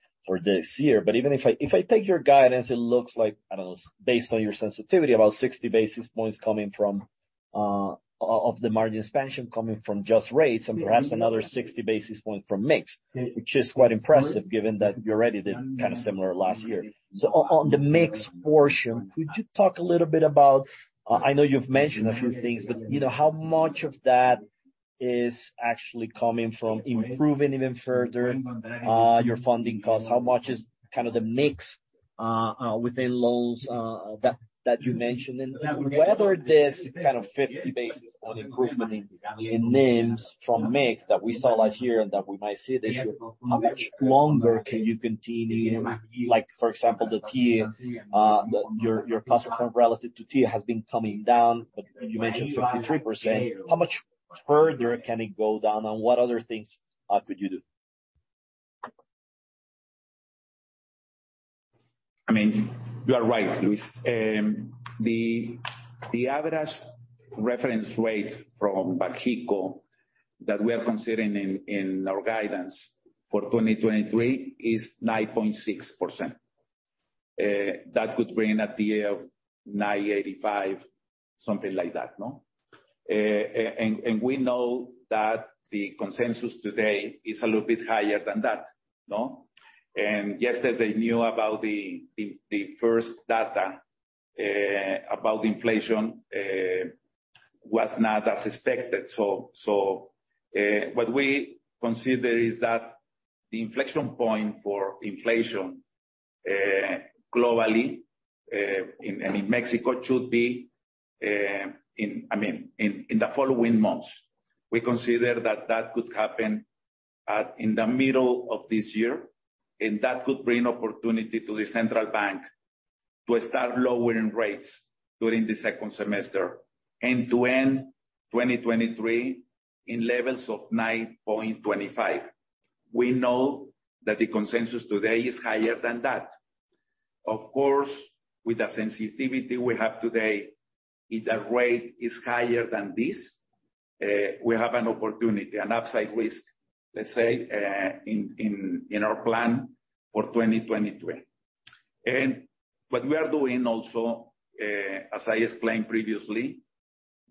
year. Even if I take your guidance, it looks like, I don't know, based on your sensitivity, about 60 basis points coming from of the margin expansion coming from just rates and perhaps another 60 basis points from mix, which is quite impressive given that you already did kind of similar last year. On the mix portion, could you talk a little bit about... I know you've mentioned a few things, but, you know, how much of that is actually coming from improving even further, your funding costs? How much is kind of the mix within loans that you mentioned? And whether this kind of 50 basis point improvement in NIMs from mix that we saw last year and that we might see this year, how much longer can you continue? Like for example, the Tier, your customer relative to Tier has been coming down, but you mentioned 53%. How much further can it go down, and what other things could you do? I mean, you are right, Luis. The average reference rate from Banxico that we are considering in our guidance for 2023 is 9.6%. That could bring a tier of 9.85%, something like that, no? We know that the consensus today is a little bit higher than that, no? Yesterday knew about the first data about inflation was not as expected. What we consider is that the inflection point for inflation globally in Mexico should be in the following months. We consider that that could happen in the middle of this year, and that could bring opportunity to the central bank to start lowering rates during the second semester, and to end 2023 in levels of 9.25%. We know that the consensus today is higher than that. Of course, with the sensitivity we have today, if the rate is higher than this, we have an opportunity, an upside risk, let's say, in, in our plan for 2023. What we are doing also, as I explained previously,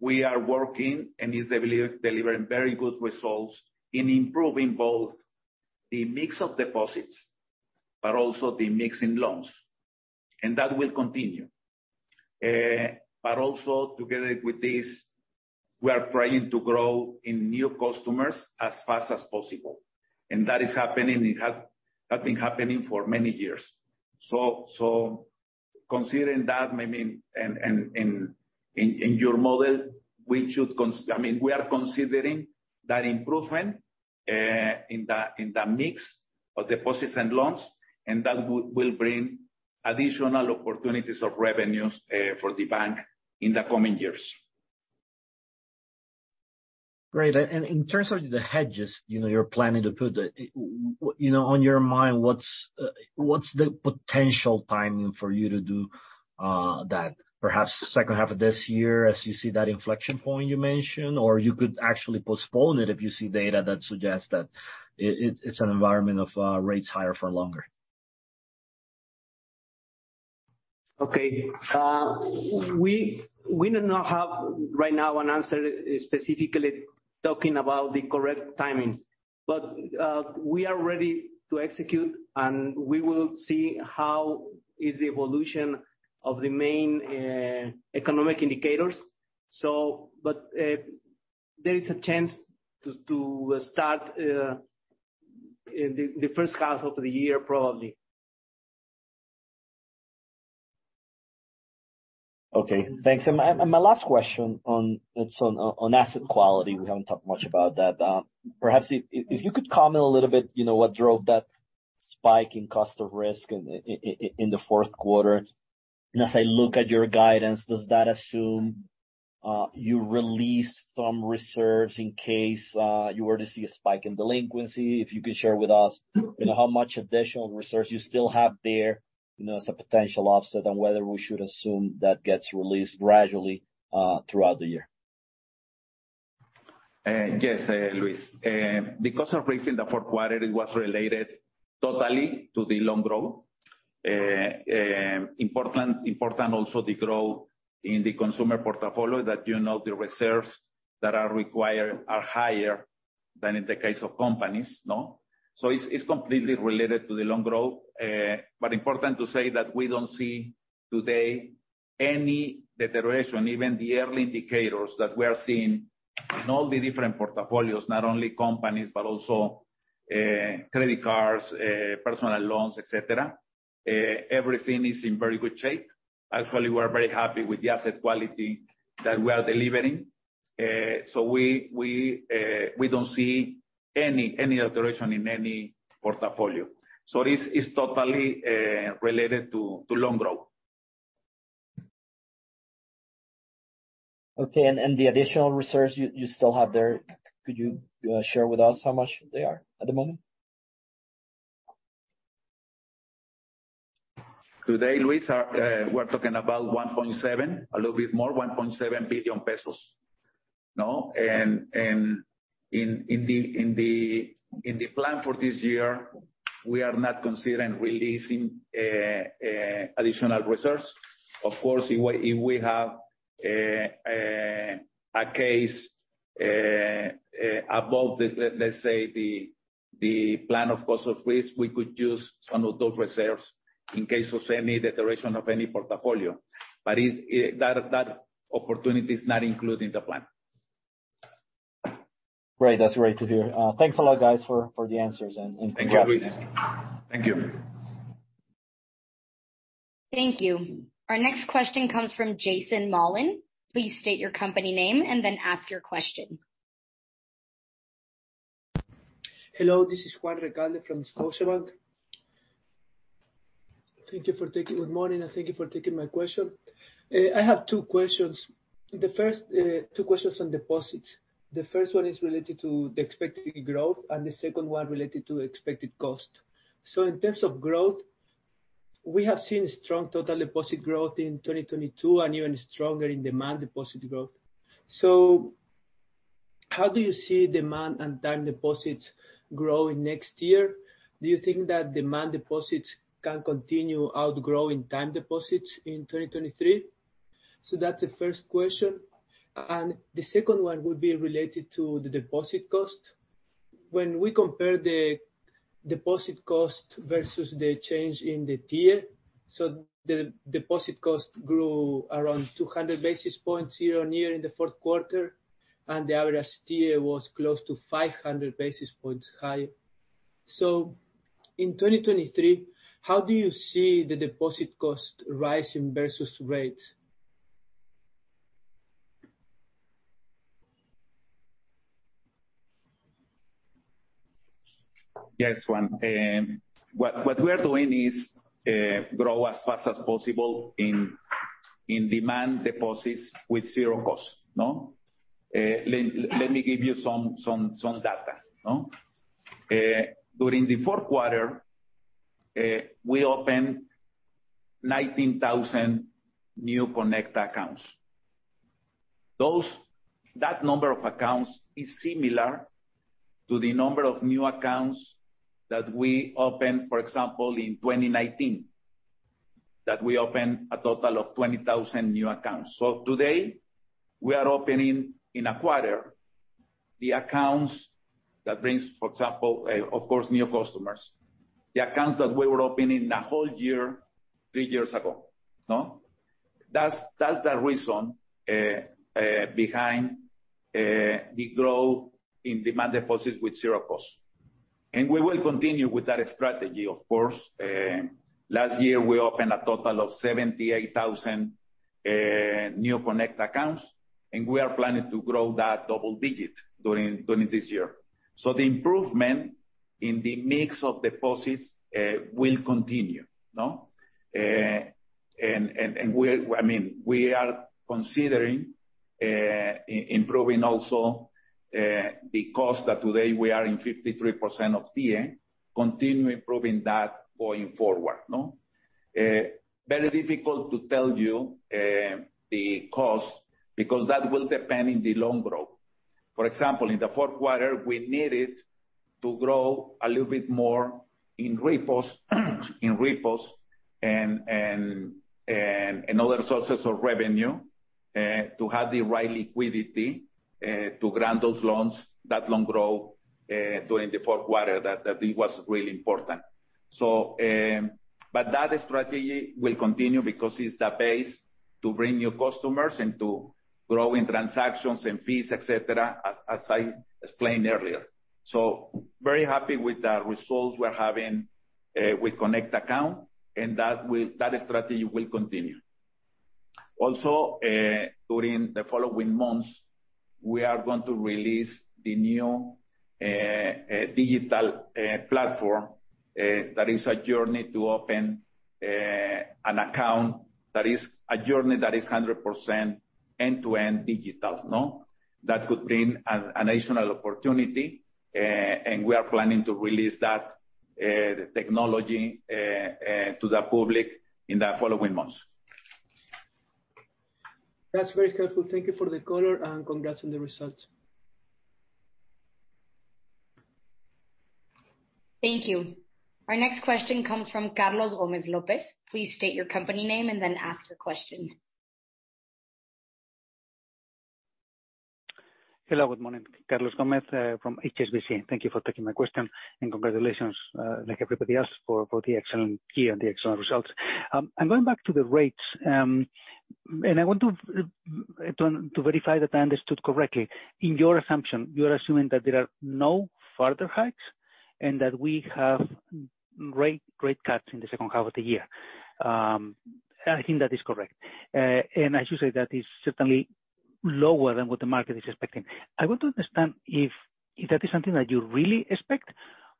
we are working and is delivering very good results in improving both the mix of deposits, but also the mix in loans. That will continue. Also together with this, we are trying to grow in new customers as fast as possible. That is happening, it has have been happening for many years. Considering that maybe in, in, in your model, we should. I mean, we are considering that improvement, in the mix of deposits and loans, and that will bring additional opportunities of revenues for the bank in the coming years. Great. And in terms of the hedges, you know, you're planning to put, you know, on your mind, what's the potential timing for you to do that? Perhaps second half of this year as you see that inflection point you mentioned, or you could actually postpone it if you see data that suggests that it's an environment of rates higher for longer. We do not have right now an answer specifically talking about the correct timing, but we are ready to execute and we will see how is the evolution of the main economic indicators. There is a chance to start in the first half of the year, probably. Okay, thanks. My last question on asset quality, we haven't talked much about that. Perhaps if you could comment a little bit, you know, what drove that spike in cost of risk in the fourth quarter. As I look at your guidance, does that assume you released some reserves in case you were to see a spike in delinquency? If you could share with us, you know, how much additional reserves you still have there, you know, as a potential offset, and whether we should assume that gets released gradually throughout the year. Yes, Luis. The cost of raising the fourth quarter was related totally to the loan growth. Important also the growth in the consumer portfolio that, you know, the reserves that are required are higher than in the case of companies, no? It's completely related to the loan growth. Important to say that we don't see today any deterioration, even the early indicators that we are seeing in all the different portfolios, not only companies, but also credit cards, personal loans, et cetera. Everything is in very good shape. Actually, we are very happy with the asset quality that we are delivering. We don't see any alteration in any portfolio. It's totally related to loan growth. Okay. The additional reserves you still have there, could you share with us how much they are at the moment? Today, Luis, we're talking about 1.7, a little bit more, 1.7 billion MXN. No? In the plan for this year, we are not considering releasing additional reserves. Of course, if we, if we have a case above the, let's say the plan of cost of risk, we could use some of those reserves in case of any deterioration of any portfolio. That opportunity is not included in the plan. Great. That's great to hear. Thanks a lot, guys, for the answers and congrats. Thank you, Luis. Thank you. Thank you. Our next question comes from Jason Mollin. Please state your company name and then ask your question. Hello. This is Juan Recalde from Deutsche Bank. Good morning, thank you for taking my question. I have two questions. Two questions on deposits. The first one is related to the expected growth. The second one related to expected cost. In terms of growth, we have seen strong total deposit growth in 2022 and even stronger in demand deposit growth. How do you see demand and time deposits growing next year? Do you think that demand deposits can continue outgrowing time deposits in 2023? That's the first question. The second one would be related to the deposit cost. When we compare the deposit cost versus the change in the tier, the deposit cost grew around 200 basis points year-on-year in the fourth quarter, and the average tier was close to 500 basis points high. In 2023, how do you see the deposit cost rising versus rates? Yes, Juan. What we are doing is grow as fast as possible in demand deposits with zero cost. Let me give you some data. During the fourth quarter, we opened 19,000 new Cuenta Conecta. That number of accounts is similar to the number of new accounts that we opened, for example, in 2019, that we opened a total of 20,000 new accounts. Today, we are opening in a quarter the accounts that brings, for example, of course, new customers, the accounts that we were opening in a whole year three years ago. That's the reason behind the growth in demand deposits with zero cost. We will continue with that strategy of course. Last year, we opened a total of 78,000 new Connect accounts, we are planning to grow that double-digit during this year. The improvement in the mix of deposits will continue, no? I mean, we are considering improving also the cost that today we are in 53% of tier, continue improving that going forward, no? Very difficult to tell you the cost because that will depend in the loan growth. For example, in the fourth quarter, we needed to grow a little bit more in repos and other sources of revenue to have the right liquidity to grant those loans, that loan growth during the fourth quarter. That it was really important. That strategy will continue because it's the base to bring new customers and to grow in transactions and fees, et cetera, as I explained earlier. Very happy with the results we're having with Cuenta Conecta, and that strategy will continue. During the following months, we are going to release the new digital platform that is a journey to open an account that is a journey that is 100% end-to-end digital, no? That could bring an additional opportunity, and we are planning to release that technology to the public in the following months. That's very helpful. Thank you for the color, and congrats on the results. Thank you. Our next question comes from Carlos Gomez-Lopez. Please state your company name and then ask your question. Hello. Good morning. Carlos Gomez, from HSBC. Thank you for taking my question, and congratulations, like everybody else for the excellent year and the excellent results. I'm going back to the rates. I want to verify that I understood correctly. In your assumption, you are assuming that there are no further hikes and that we have rate cuts in the second half of the year. I think that is correct. I should say that is certainly lower than what the market is expecting. I want to understand, is that something that you really expect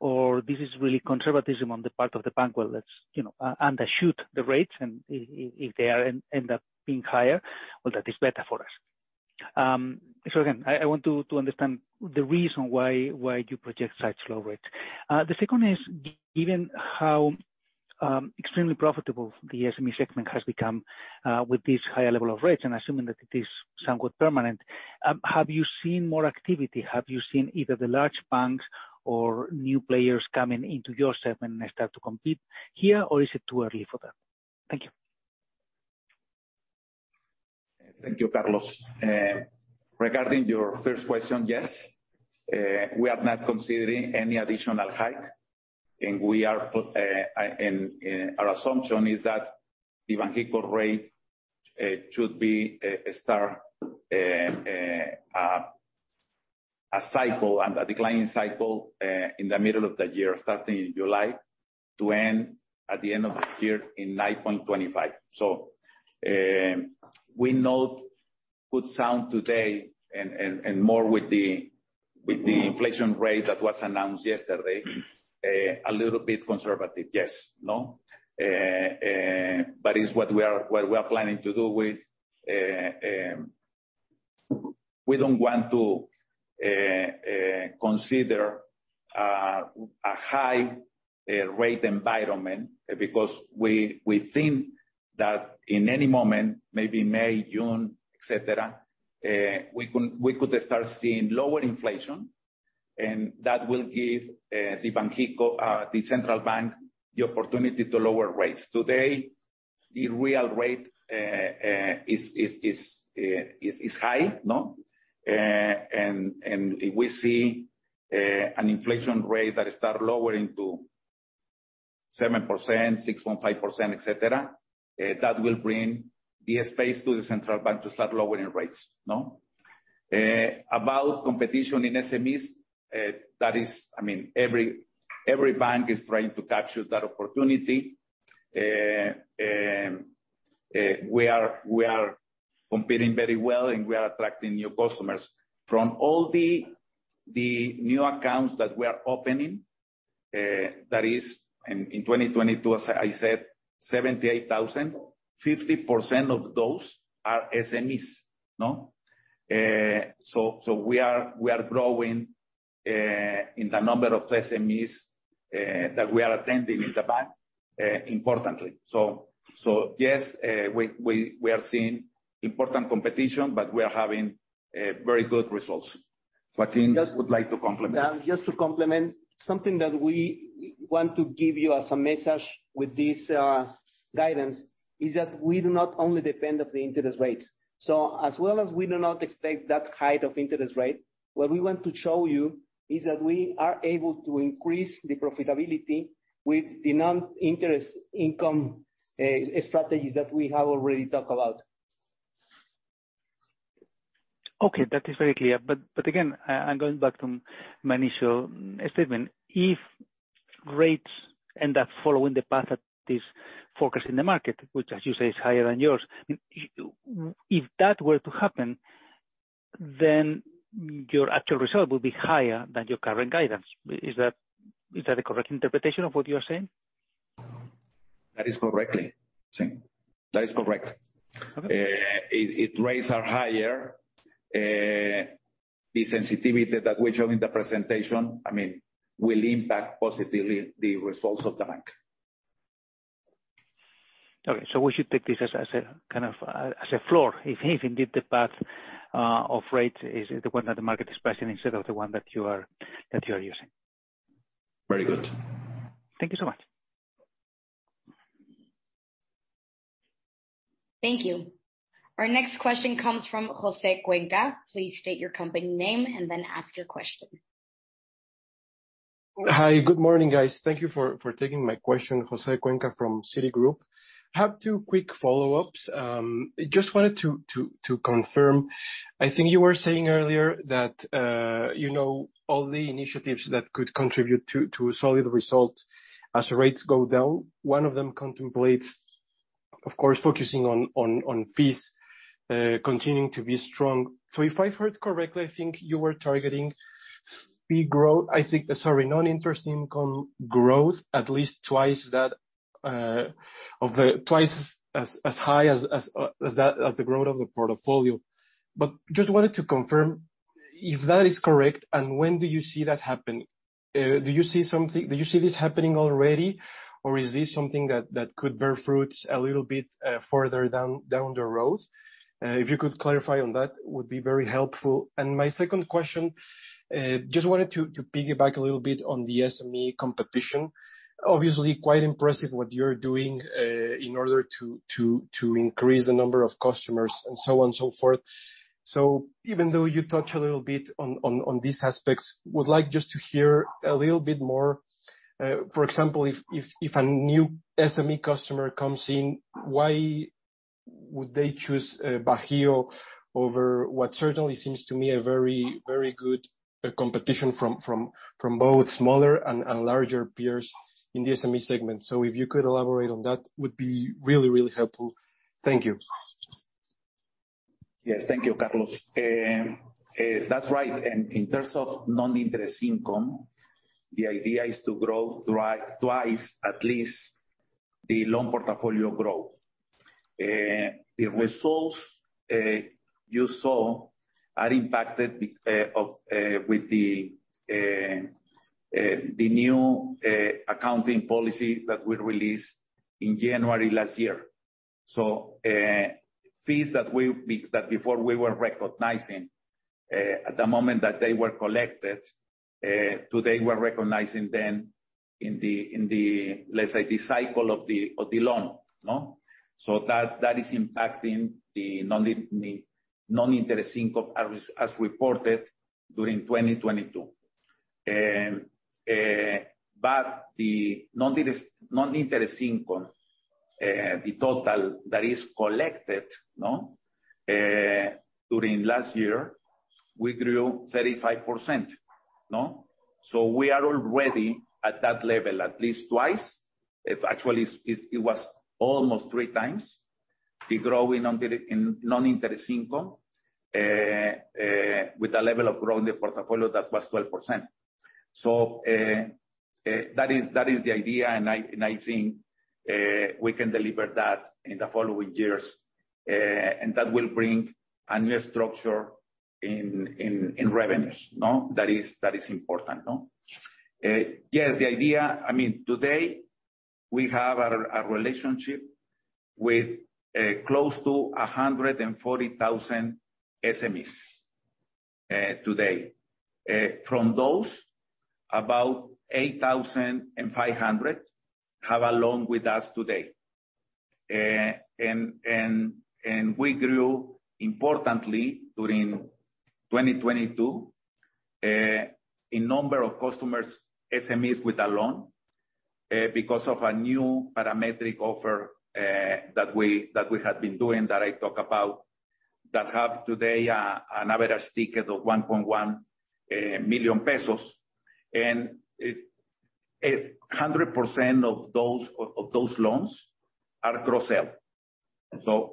or this is really conservatism on the part of the bank? Well, let's, you know, undershoot the rates if they end up being higher, well, that is better for us. Again, I want to understand the reason why you project such low rates. The second is given how extremely profitable the SME segment has become, with this higher level of rates, and assuming that it is somewhat permanent, have you seen more activity? Have you seen either the large banks or new players coming into your segment and start to compete here, or is it too early for that? Thank you. Thank you, Carlos. Regarding your first question, yes, we are not considering any additional hike, and we are put, and our assumption is that the Banxico rate should be start a cycle and a declining cycle in the middle of the year, starting in July, to end at the end of the year in 9.25. We know put sound today and more with the inflation rate that was announced yesterday, a little bit conservative, yes, no? It's what we are planning to do with... We don't want to consider a high rate environment because we think that in any moment, maybe May, June, et cetera, we could start seeing lower inflation and that will give the Banxico, the central bank, the opportunity to lower rates. Today, the real rate is high, no? If we see an inflation rate that start lowering to 7%, 6.5%, et cetera, that will bring the space to the central bank to start lowering rates, no? About competition in SMEs, that is, I mean, every bank is trying to capture that opportunity. We are competing very well, and we are attracting new customers. From all the new accounts that we are opening, that is in 2022, as I said, 78,000, 50% of those are SMEs, no? We are growing in the number of SMEs that we are attending in the bank importantly. Yes, we are seeing important competition, but we are having very good results. Martin would like to complement. Just to complement, something that we want to give you as a message with this guidance, is that we do not only depend on the interest rates. As well as we do not expect that height of interest rate, what we want to show you is that we are able to increase the profitability with the non-interest income strategies that we have already talked about. Okay, that is very clear. Again, I'm going back to my initial statement. If rates end up following the path that is focused in the market, which as you say, is higher than yours, if that were to happen, then your actual result will be higher than your current guidance. Is that the correct interpretation of what you are saying? That is correctly. Same. That is correct. Okay. If, if rates are higher, the sensitivity that we show in the presentation, I mean, will impact positively the results of the bank. Okay. We should take this as a, kind of, as a floor if indeed the path, of rates is the one that the market is pricing instead of the one that you are using. Very good. Thank you so much. Thank you. Our next question comes from José Cuenca. Please state your company name and then ask your question. Hi, good morning, guys. Thank you for taking my question. Joaquín Domínguez Cuenca from Citigroup. Have two quick follow-ups. Just wanted to confirm, I think you were saying earlier that, you know, all the initiatives that could contribute to a solid result as the rates go down, one of them contemplates, of course, focusing on fees, continuing to be strong. If I've heard correctly, Sorry, non-interest income growth at least twice that, twice as high as that, as the growth of the portfolio. Just wanted to confirm if that is correct, and when do you see that happening? Do you see this happening already, or is this something that could bear fruit a little bit further down the road? If you could clarify on that, would be very helpful. My second question, just wanted to piggyback a little bit on the SME competition. Obviously, quite impressive what you're doing in order to increase the number of customers and so on and so forth. Even though you touch a little bit on these aspects, would like just to hear a little bit more. For example, if a new SME customer comes in, why would they choose Banxico over what certainly seems to me a very, very good competition from both smaller and larger peers in the SME segment? If you could elaborate on that, would be really, really helpful. Thank you. Yes, thank you, Carlos. That's right. In terms of non-interest income, the idea is to grow twice, at least, the loan portfolio growth. The results you saw are impacted with the new accounting policy that we released in January last year. Fees that before we were recognizing at the moment that they were collected, today we're recognizing them in the, in the, let's say, the cycle of the, of the loan, no? That is impacting the non-interest income as reported during 2022. The non-interest income, the total that is collected, no, during last year, we grew 35%, no? We are already at that level, at least twice. If actually it's almost 3x the growth in non-interest income with the level of growth in the portfolio that was 12%. That is the idea, and I think we can deliver that in the following years. That will bring a new structure in revenues, no? That is important, no? Yes, the idea. I mean, today, we have a relationship with close to 140,000 SMEs today. From those, about 8,500 have a loan with us today. We grew importantly during 2022 in number of customers, SMEs with a loan because of a new parametric offer that we had been doing, that I talk about, that have today an average ticket of 1.1 million pesos. It 100% of those loans are cross-sell.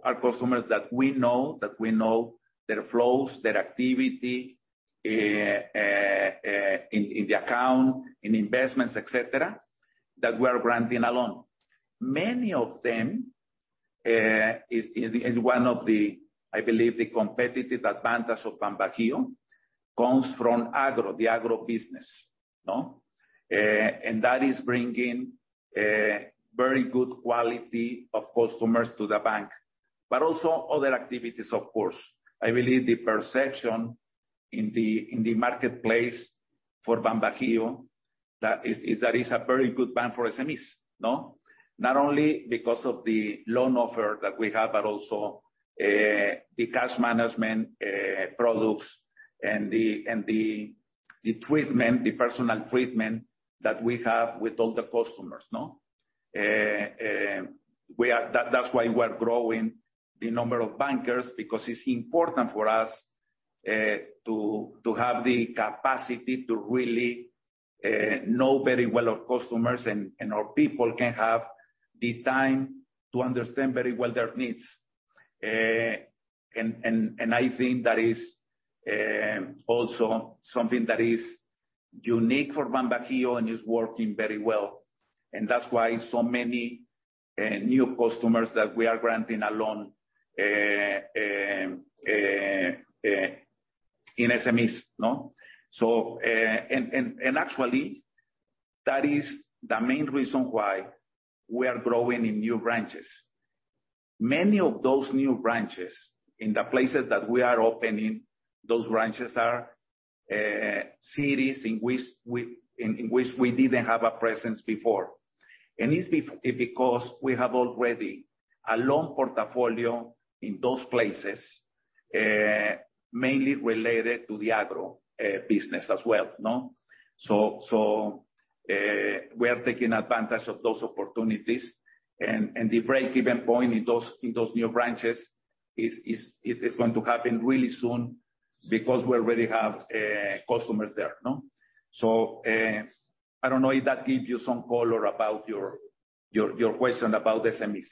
Are customers that we know, that we know their flows, their activity in the account, in investments, et cetera, that we are granting a loan. Many of them is one of the, I believe, the competitive advantage of BanBajío, comes from agro, the agro business, no? That is bringing very good quality of customers to the bank, but also other activities, of course. I believe the perception in the marketplace for BanBajío that is a very good bank for SMEs, no? Not only because of the loan offer that we have, but also the cash management products and the treatment, the personal treatment that we have with all the customers, no? That's why we're growing the number of bankers, because it's important for us to have the capacity to really know very well our customers and our people can have the time to understand very well their needs. And I think that is also something that is unique for BanBajío and is working very well. That's why so many new customers that we are granting a loan in SMEs, no? Actually, that is the main reason why we are growing in new branches. Many of those new branches, in the places that we are opening, those branches are cities in which we didn't have a presence before. Because we have already a loan portfolio in those places, mainly related to the agro business as well, no? We are taking advantage of those opportunities and the break-even point in those new branches it is going to happen really soon because we already have customers there, no? I don't know if that gives you some color about your question about SMEs.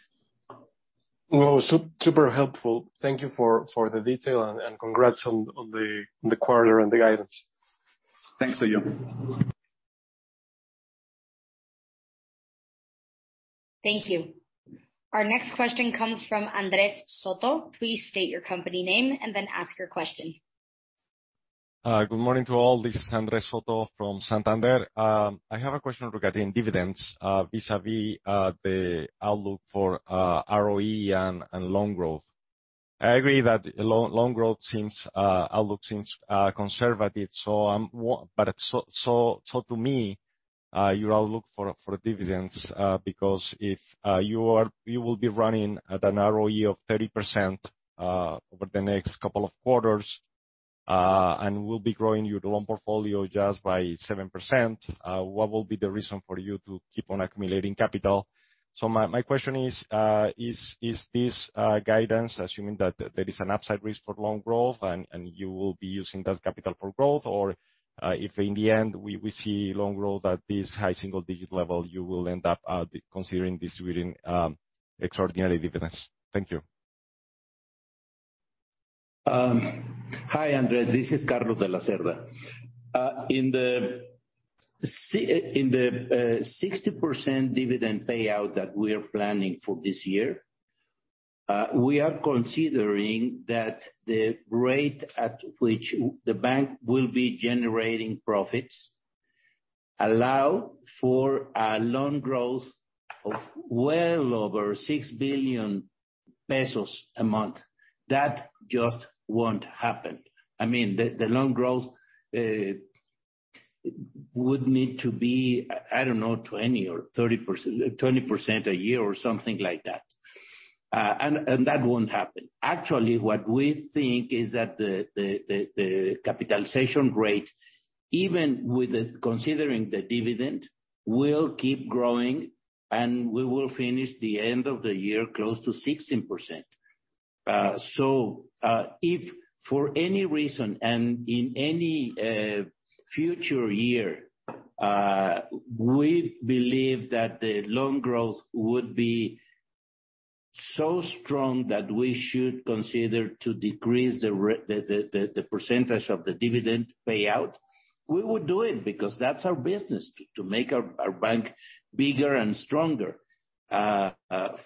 No, super helpful. Thank you for the detail and congrats on the quarter and the guidance. Thanks to you. Thank you. Our next question comes from Andrés Soto. Please state your company name and then ask your question. Good morning to all. This is Andrés Soto from Santander. I have a question regarding dividends vis-a-vis the outlook for ROE and loan growth. I agree that loan growth seems outlook seems conservative to me, your outlook for dividends, because if you will be running at an ROE of 30% over the next couple of quarters and will be growing your loan portfolio just by 7%, what will be the reason for you to keep on accumulating capital? My question is this guidance assuming that there is an upside risk for loan growth and you will be using that capital for growth? If in the end we see loan growth at this high single digit level, you will end up considering distributing extraordinary dividends. Thank you. Hi Andrés, this is Carlos de la Cerda. In the 60% dividend payout that we are planning for this year, we are considering that the rate at which the bank will be generating profits allow for a loan growth of well over 6 billion pesos a month. That just won't happen. I mean, the loan growth would need to be, I don't know, 20% or 30%. 20% a year or something like that. That won't happen. Actually, what we think is that the capitalization rate, even with the considering the dividend, will keep growing, and we will finish the end of the year close to 16%. If for any reason and in any future year, we believe that the loan growth would be so strong that we should consider to decrease the percentage of the dividend payout, we would do it because that's our business, to make our bank bigger and stronger.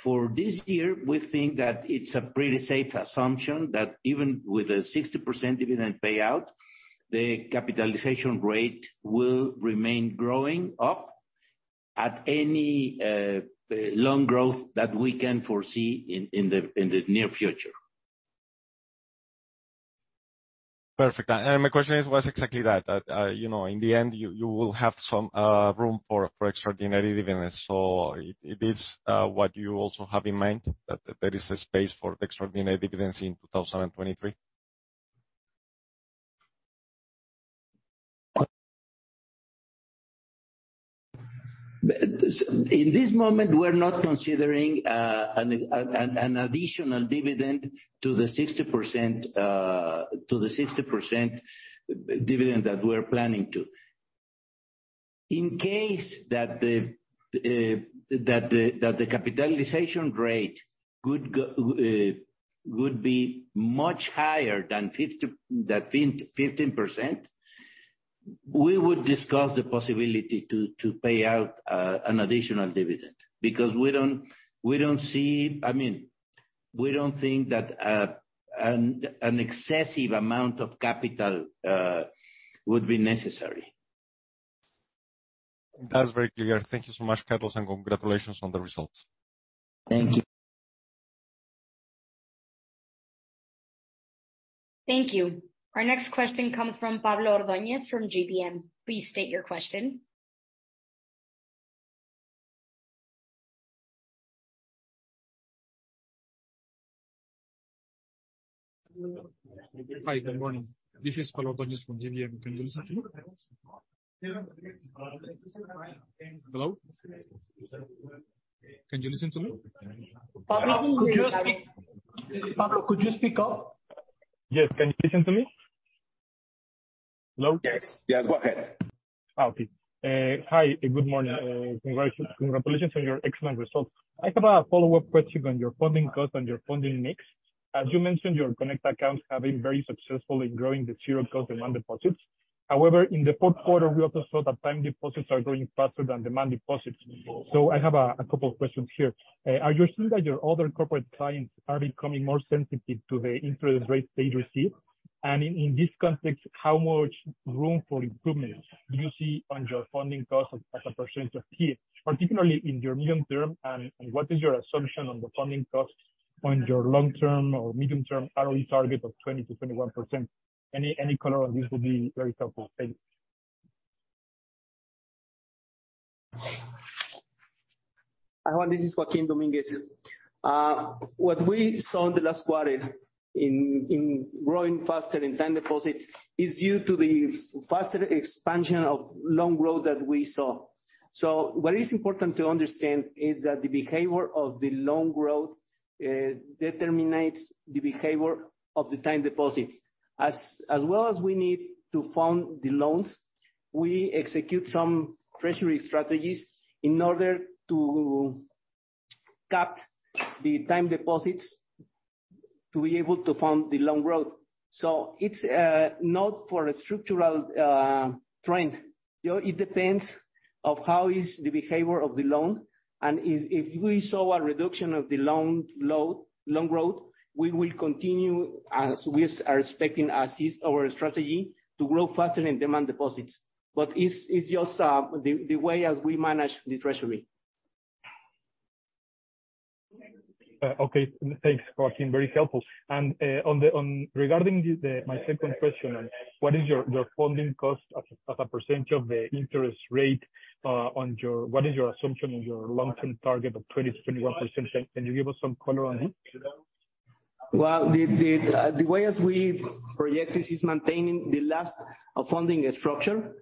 For this year, we think that it's a pretty safe assumption that even with a 60% dividend payout, the capitalization rate will remain growing up at any loan growth that we can foresee in the near future. Perfect. My question was exactly that. You know, in the end, you will have some room for extraordinary dividends. It is what you also have in mind, that there is a space for extraordinary dividends in 2023? In this moment, we're not considering an additional dividend to the 60% dividend that we're planning to. In case that the capitalization rate could be much higher than 15%, we would discuss the possibility to pay out an additional dividend because I mean, we don't think that an excessive amount of capital would be necessary. That's very clear. Thank you so much, Carlos. Congratulations on the results. Thank you. Thank you. Our next question comes from Pablo Ordóñez from GBM. Please state your question. Hi, good morning. This is Pablo Ordóñez from GBM. Can you listen to me? Hello? Can you listen to me? Pablo, could you? Pablo, could you speak up? Yes. Can you listen to me? Hello? Yes. Yes, go ahead. Okay. Hi, good morning. Congratulations on your excellent results. I have a follow-up question on your funding cost and your funding mix. As you mentioned, your Connect accounts have been very successful in growing the zero cost demand deposits. However, in the fourth quarter, we also saw that time deposits are growing faster than demand deposits. I have a couple of questions here. Are you seeing that your other corporate clients are becoming more sensitive to the interest rate they receive? And in this context, how much room for improvements do you see on your funding costs as a percentage of here, particularly in your medium term, and what is your assumption on the funding costs on your long-term or medium-term ROE target of 20%-21%? Any color on this would be very helpful. Thank you. Hi, this is Joaquín Domínguez. What we saw in the last quarter in growing faster in time deposits is due to the faster expansion of loan growth that we saw. What is important to understand is that the behavior of the loan growth determines the behavior of the time deposits. As well as we need to fund the loans, we execute some treasury strategies in order to cap the time deposits to be able to fund the loan growth. It's not for a structural trend. You know, it depends of how is the behavior of the loan, and if we saw a reduction of the loan growth, we will continue as we are expecting as is our strategy to grow faster in demand deposits. It's just the way as we manage the treasury. Okay. Thanks, Joaquín. Very helpful. Regarding my second question on what is your funding cost as a percentage of the interest rate. What is your assumption on your long-term target of 20%-21%? Can you give us some color on it? Well, the way as we project this is maintaining the last funding structure.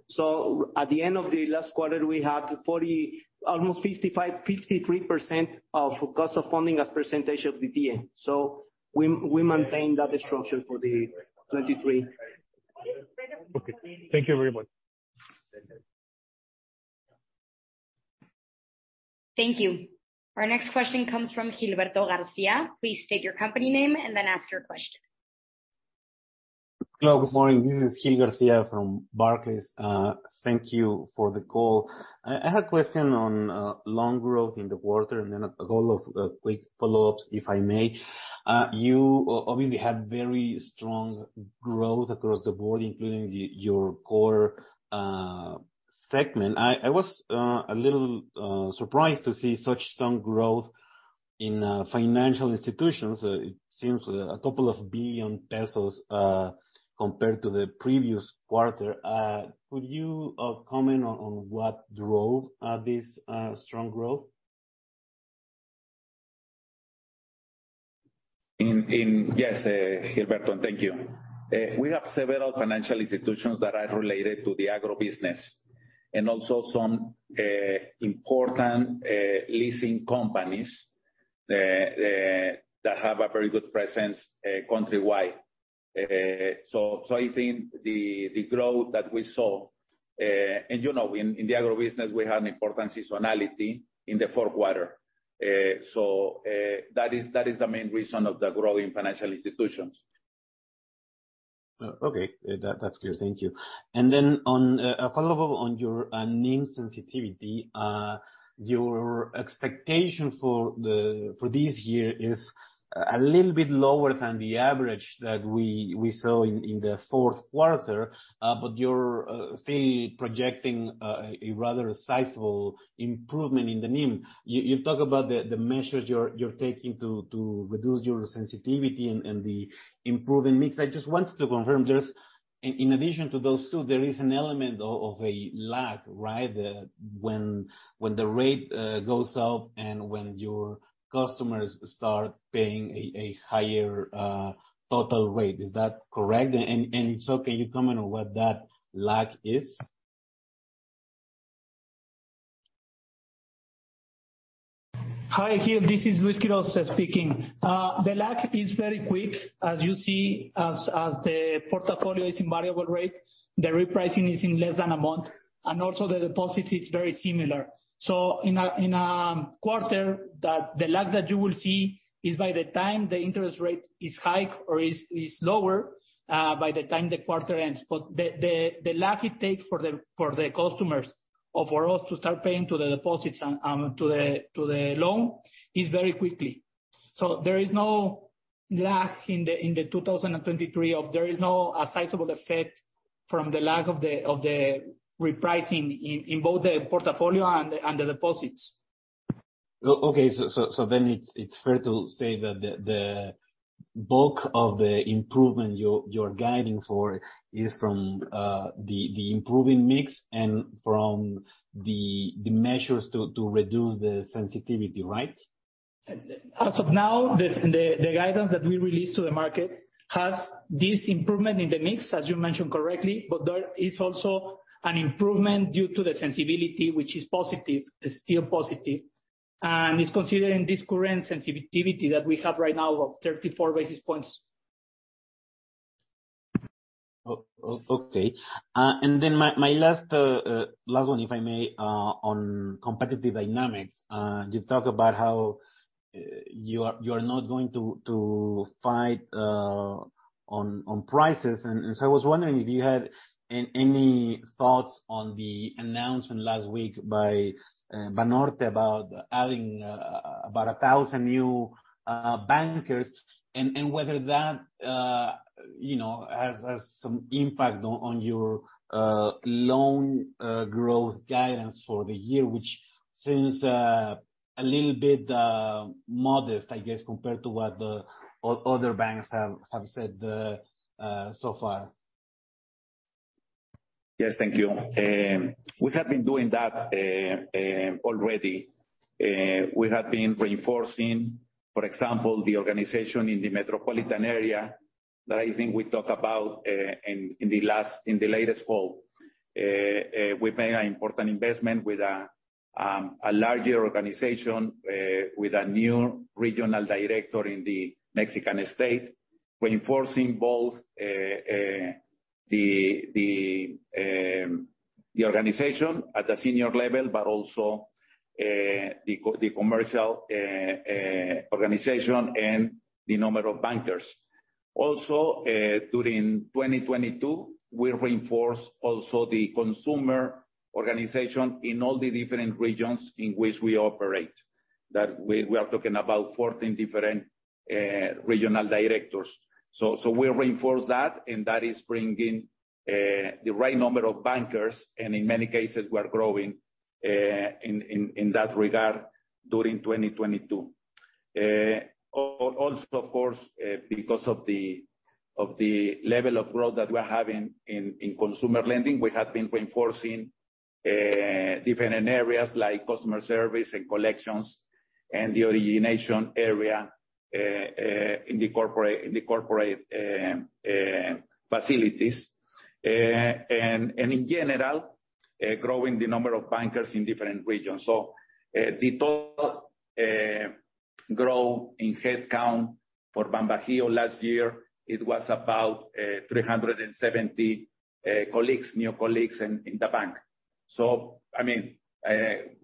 At the end of the last quarter, we had 40, almost 55, 53% of cost of funding as percentage of the TN. We maintain that structure for the 2023. Okay, thank you very much. Thank you. Our next question comes from Gilberto Garcia. Please state your company name and then ask your question. Hello, good morning. This is Gil Garcia from Barclays. Thank you for the call. I had a question on long growth in the quarter, and then a couple of quick follow-ups, if I may. You obviously had very strong growth across the board, including your core segment. I was a little surprised to see such strong growth in financial institutions. It seems 2 billion pesos compared to the previous quarter. Could you comment on what drove this strong growth? Yes, Gilberto, thank you. We have several financial institutions that are related to the agro business, and also some important leasing companies that have a very good presence country-wide. I think the growth that we saw, and you know, in the agro business, we have an important seasonality in the fourth quarter. That is the main reason of the growing financial institutions. Okay. That's clear. Thank you. On a follow-up on your NIM sensitivity, your expectation for this year is a little bit lower than the average that we saw in the fourth quarter. You're still projecting a rather sizable improvement in the NIM. You talk about the measures you're taking to reduce your sensitivity and the improving mix. I just wanted to confirm, in addition to those two, there is an element of a lag, right? When the rate goes up and when your customers start paying a higher total rate. Is that correct? If so, can you comment on what that lag is? Hi, Gil, this is Luis Quiroz speaking. The lag is very quick, as you see, as the portfolio is in variable rate. The repricing is in less than a month. Also the deposits, it's very similar. In a quarter, the lag that you will see is by the time the interest rate is hike or is lower, by the time the quarter ends. The lag it takes for the customers or for us to start paying to the deposits and to the loan is very quickly. There is no lag in the 2023. There is no sizable effect from the lag of the repricing in both the portfolio and the deposits. Okay. It's fair to say that the bulk of the improvement you're guiding for is from the improving mix and from the measures to reduce the sensitivity, right? As of now, the guidance that we released to the market has this improvement in the mix, as you mentioned correctly, but there is also an improvement due to the sensibility, which is positive. It's still positive. It's considering this current sensitivity that we have right now of 34 basis points. Okay. My last one, if I may, on competitive dynamics. You talk about how you are not going to fight on prices. I was wondering if you had any thoughts on the announcement last week by Banorte about adding about 1,000 new bankers and whether that, you know, has some impact on your loan growth guidance for the year, which seems a little bit modest, I guess, compared to what other banks have said so far. Yes. Thank you. We have been doing that already. We have been reinforcing, for example, the organization in the metropolitan area that I think we talked about in the latest call. We made an important investment with a larger organization with a new regional director in the Mexican state, reinforcing both the organization at the senior level, but also the commercial organization and the number of bankers. Also, during 2022, we reinforce also the consumer organization in all the different regions in which we operate. That we are talking about 14 different regional directors. We reinforce that, and that is bringing the right number of bankers, and in many cases, we are growing in that regard during 2022. Also of course, because of the level of growth that we're having in consumer lending, we have been reinforcing different areas like customer service and collections and the origination area in the corporate facilities. In general, growing the number of bankers in different regions. The total growth in headcount for BanBajío last year, it was about 370 colleagues, new colleagues in the bank. I mean,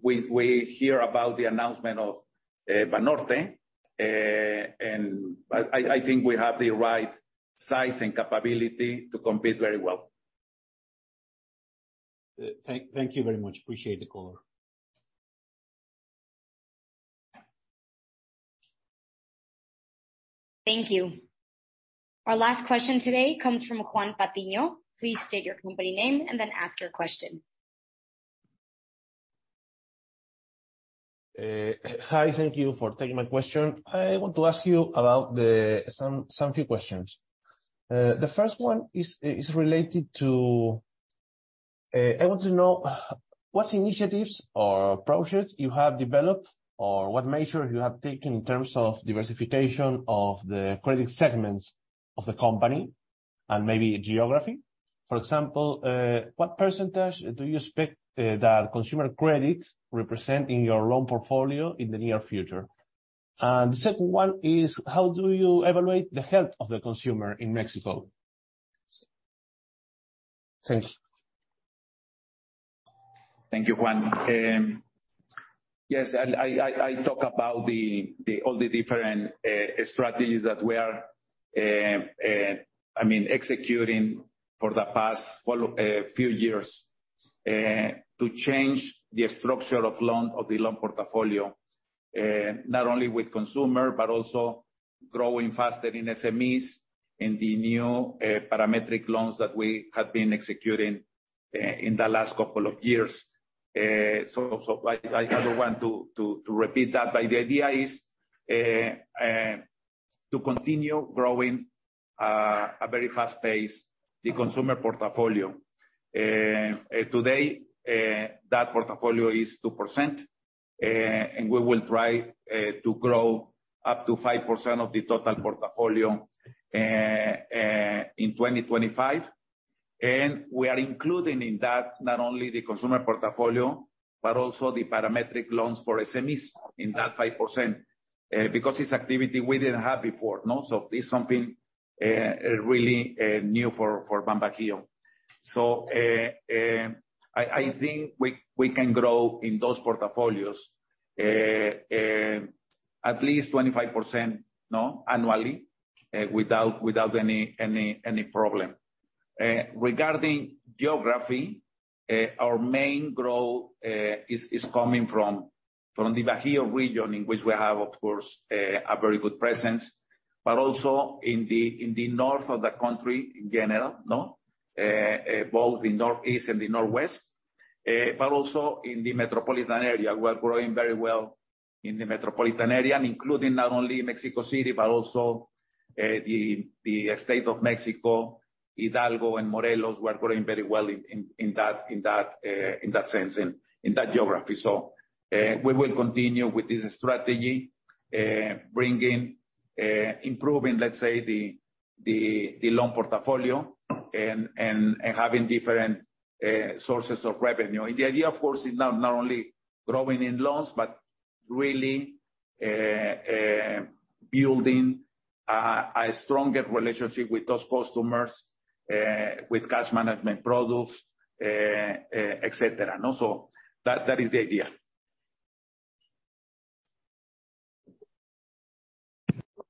we hear about the announcement of Banorte, and I think we have the right size and capability to compete very well. Thank you very much. Appreciate the call. Thank you. Our last question today comes from Juan Patiño. Please state your company name and then ask your question. Hi. Thank you for taking my question. I want to ask you about some few questions. The first one is related to, I want to know what initiatives or projects you have developed or what measures you have taken in terms of diversification of the credit segments of the company and maybe geography. For example, what % do you expect that consumer credits represent in your loan portfolio in the near future? The second one is, how do you evaluate the health of the consumer in Mexico? Thank you. Thank you, Juan. Yes, I talk about the all the different strategies that we are, I mean, executing for the past few years to change the structure of loan, of the loan portfolio, not only with consumer, but also growing faster in SMEs and the new parametric loans that we have been executing in the last couple of years. I don't want to repeat that, but the idea is to continue growing a very fast pace, the consumer portfolio. Today, that portfolio is 2%, and we will try to grow up to 5% of the total portfolio in 2025. We are including in that not only the consumer portfolio, but also the parametric loans for SMEs in that 5% because it's activity we didn't have before, no? It's something really new for BanBajío. I think we can grow in those portfolios at least 25%, no? Annually, without any problem. Regarding geography, our main growth is coming from the Bajío region, in which we have, of course, a very good presence, but also in the north of the country in general, no? Both the Northeast and the Northwest, but also in the metropolitan area. We are growing very well in the metropolitan area, including not only Mexico City, but also the state of Mexico, Hidalgo and Morelos. We're growing very well in that sense and in that geography. We will continue with this strategy, bringing, improving, let's say, the loan portfolio and having different sources of revenue. The idea, of course, is not only growing in loans, but really building a stronger relationship with those customers, with cash management products, et cetera. Also that is the idea.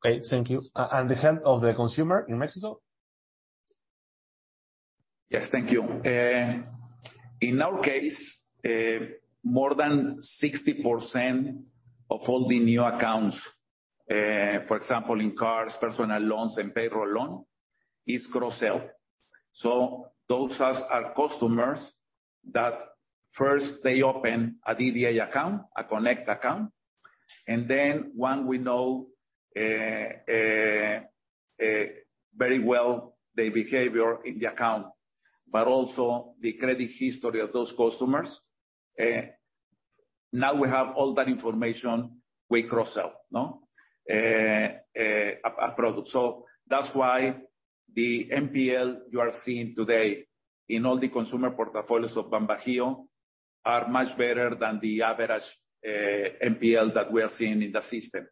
Okay, thank you. The health of the consumer in Mexico? Yes, thank you. In our case, more than 60% of all the new accounts, for example in cars, personal loans and payroll loan, is cross-sell. Those are customers that first they open a DDA account, a Cuenta Conecta account, and then when we know very well their behavior in the account, but also the credit history of those customers, now we have all that information, we cross-sell, no? A product. That's why the NPL you are seeing today in all the consumer portfolios of BanBajío are much better than the average NPL that we are seeing in the system.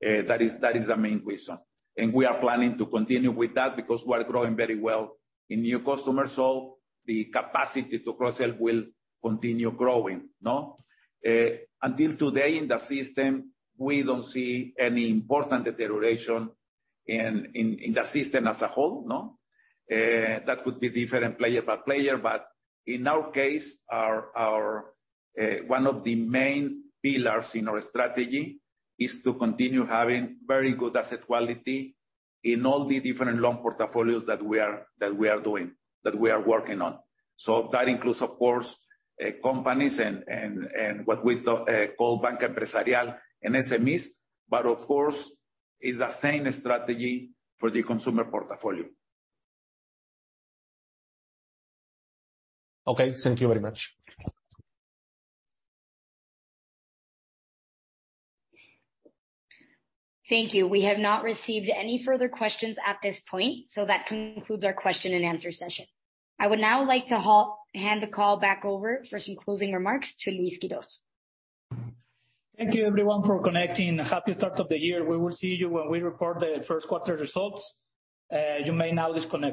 That is the main reason. We are planning to continue with that because we are growing very well in new customers, the capacity to cross-sell will continue growing, no? Until today in the system, we don't see any important deterioration in the system as a whole, no? That would be different player by player. In our case, our one of the main pillars in our strategy is to continue having very good asset quality in all the different loan portfolios that we are working on. That includes, of course, companies and what we call Banca Empresarial and SMEs, but of course, is the same strategy for the consumer portfolio. Okay, thank you very much. Thank you. We have not received any further questions at this point, so that concludes our question and answer session. I would now like to hand the call back over for some closing remarks to Luis Quiroz. Thank you everyone for connecting. Happy start of the year. We will see you when we report the first quarter results. You may now disconnect.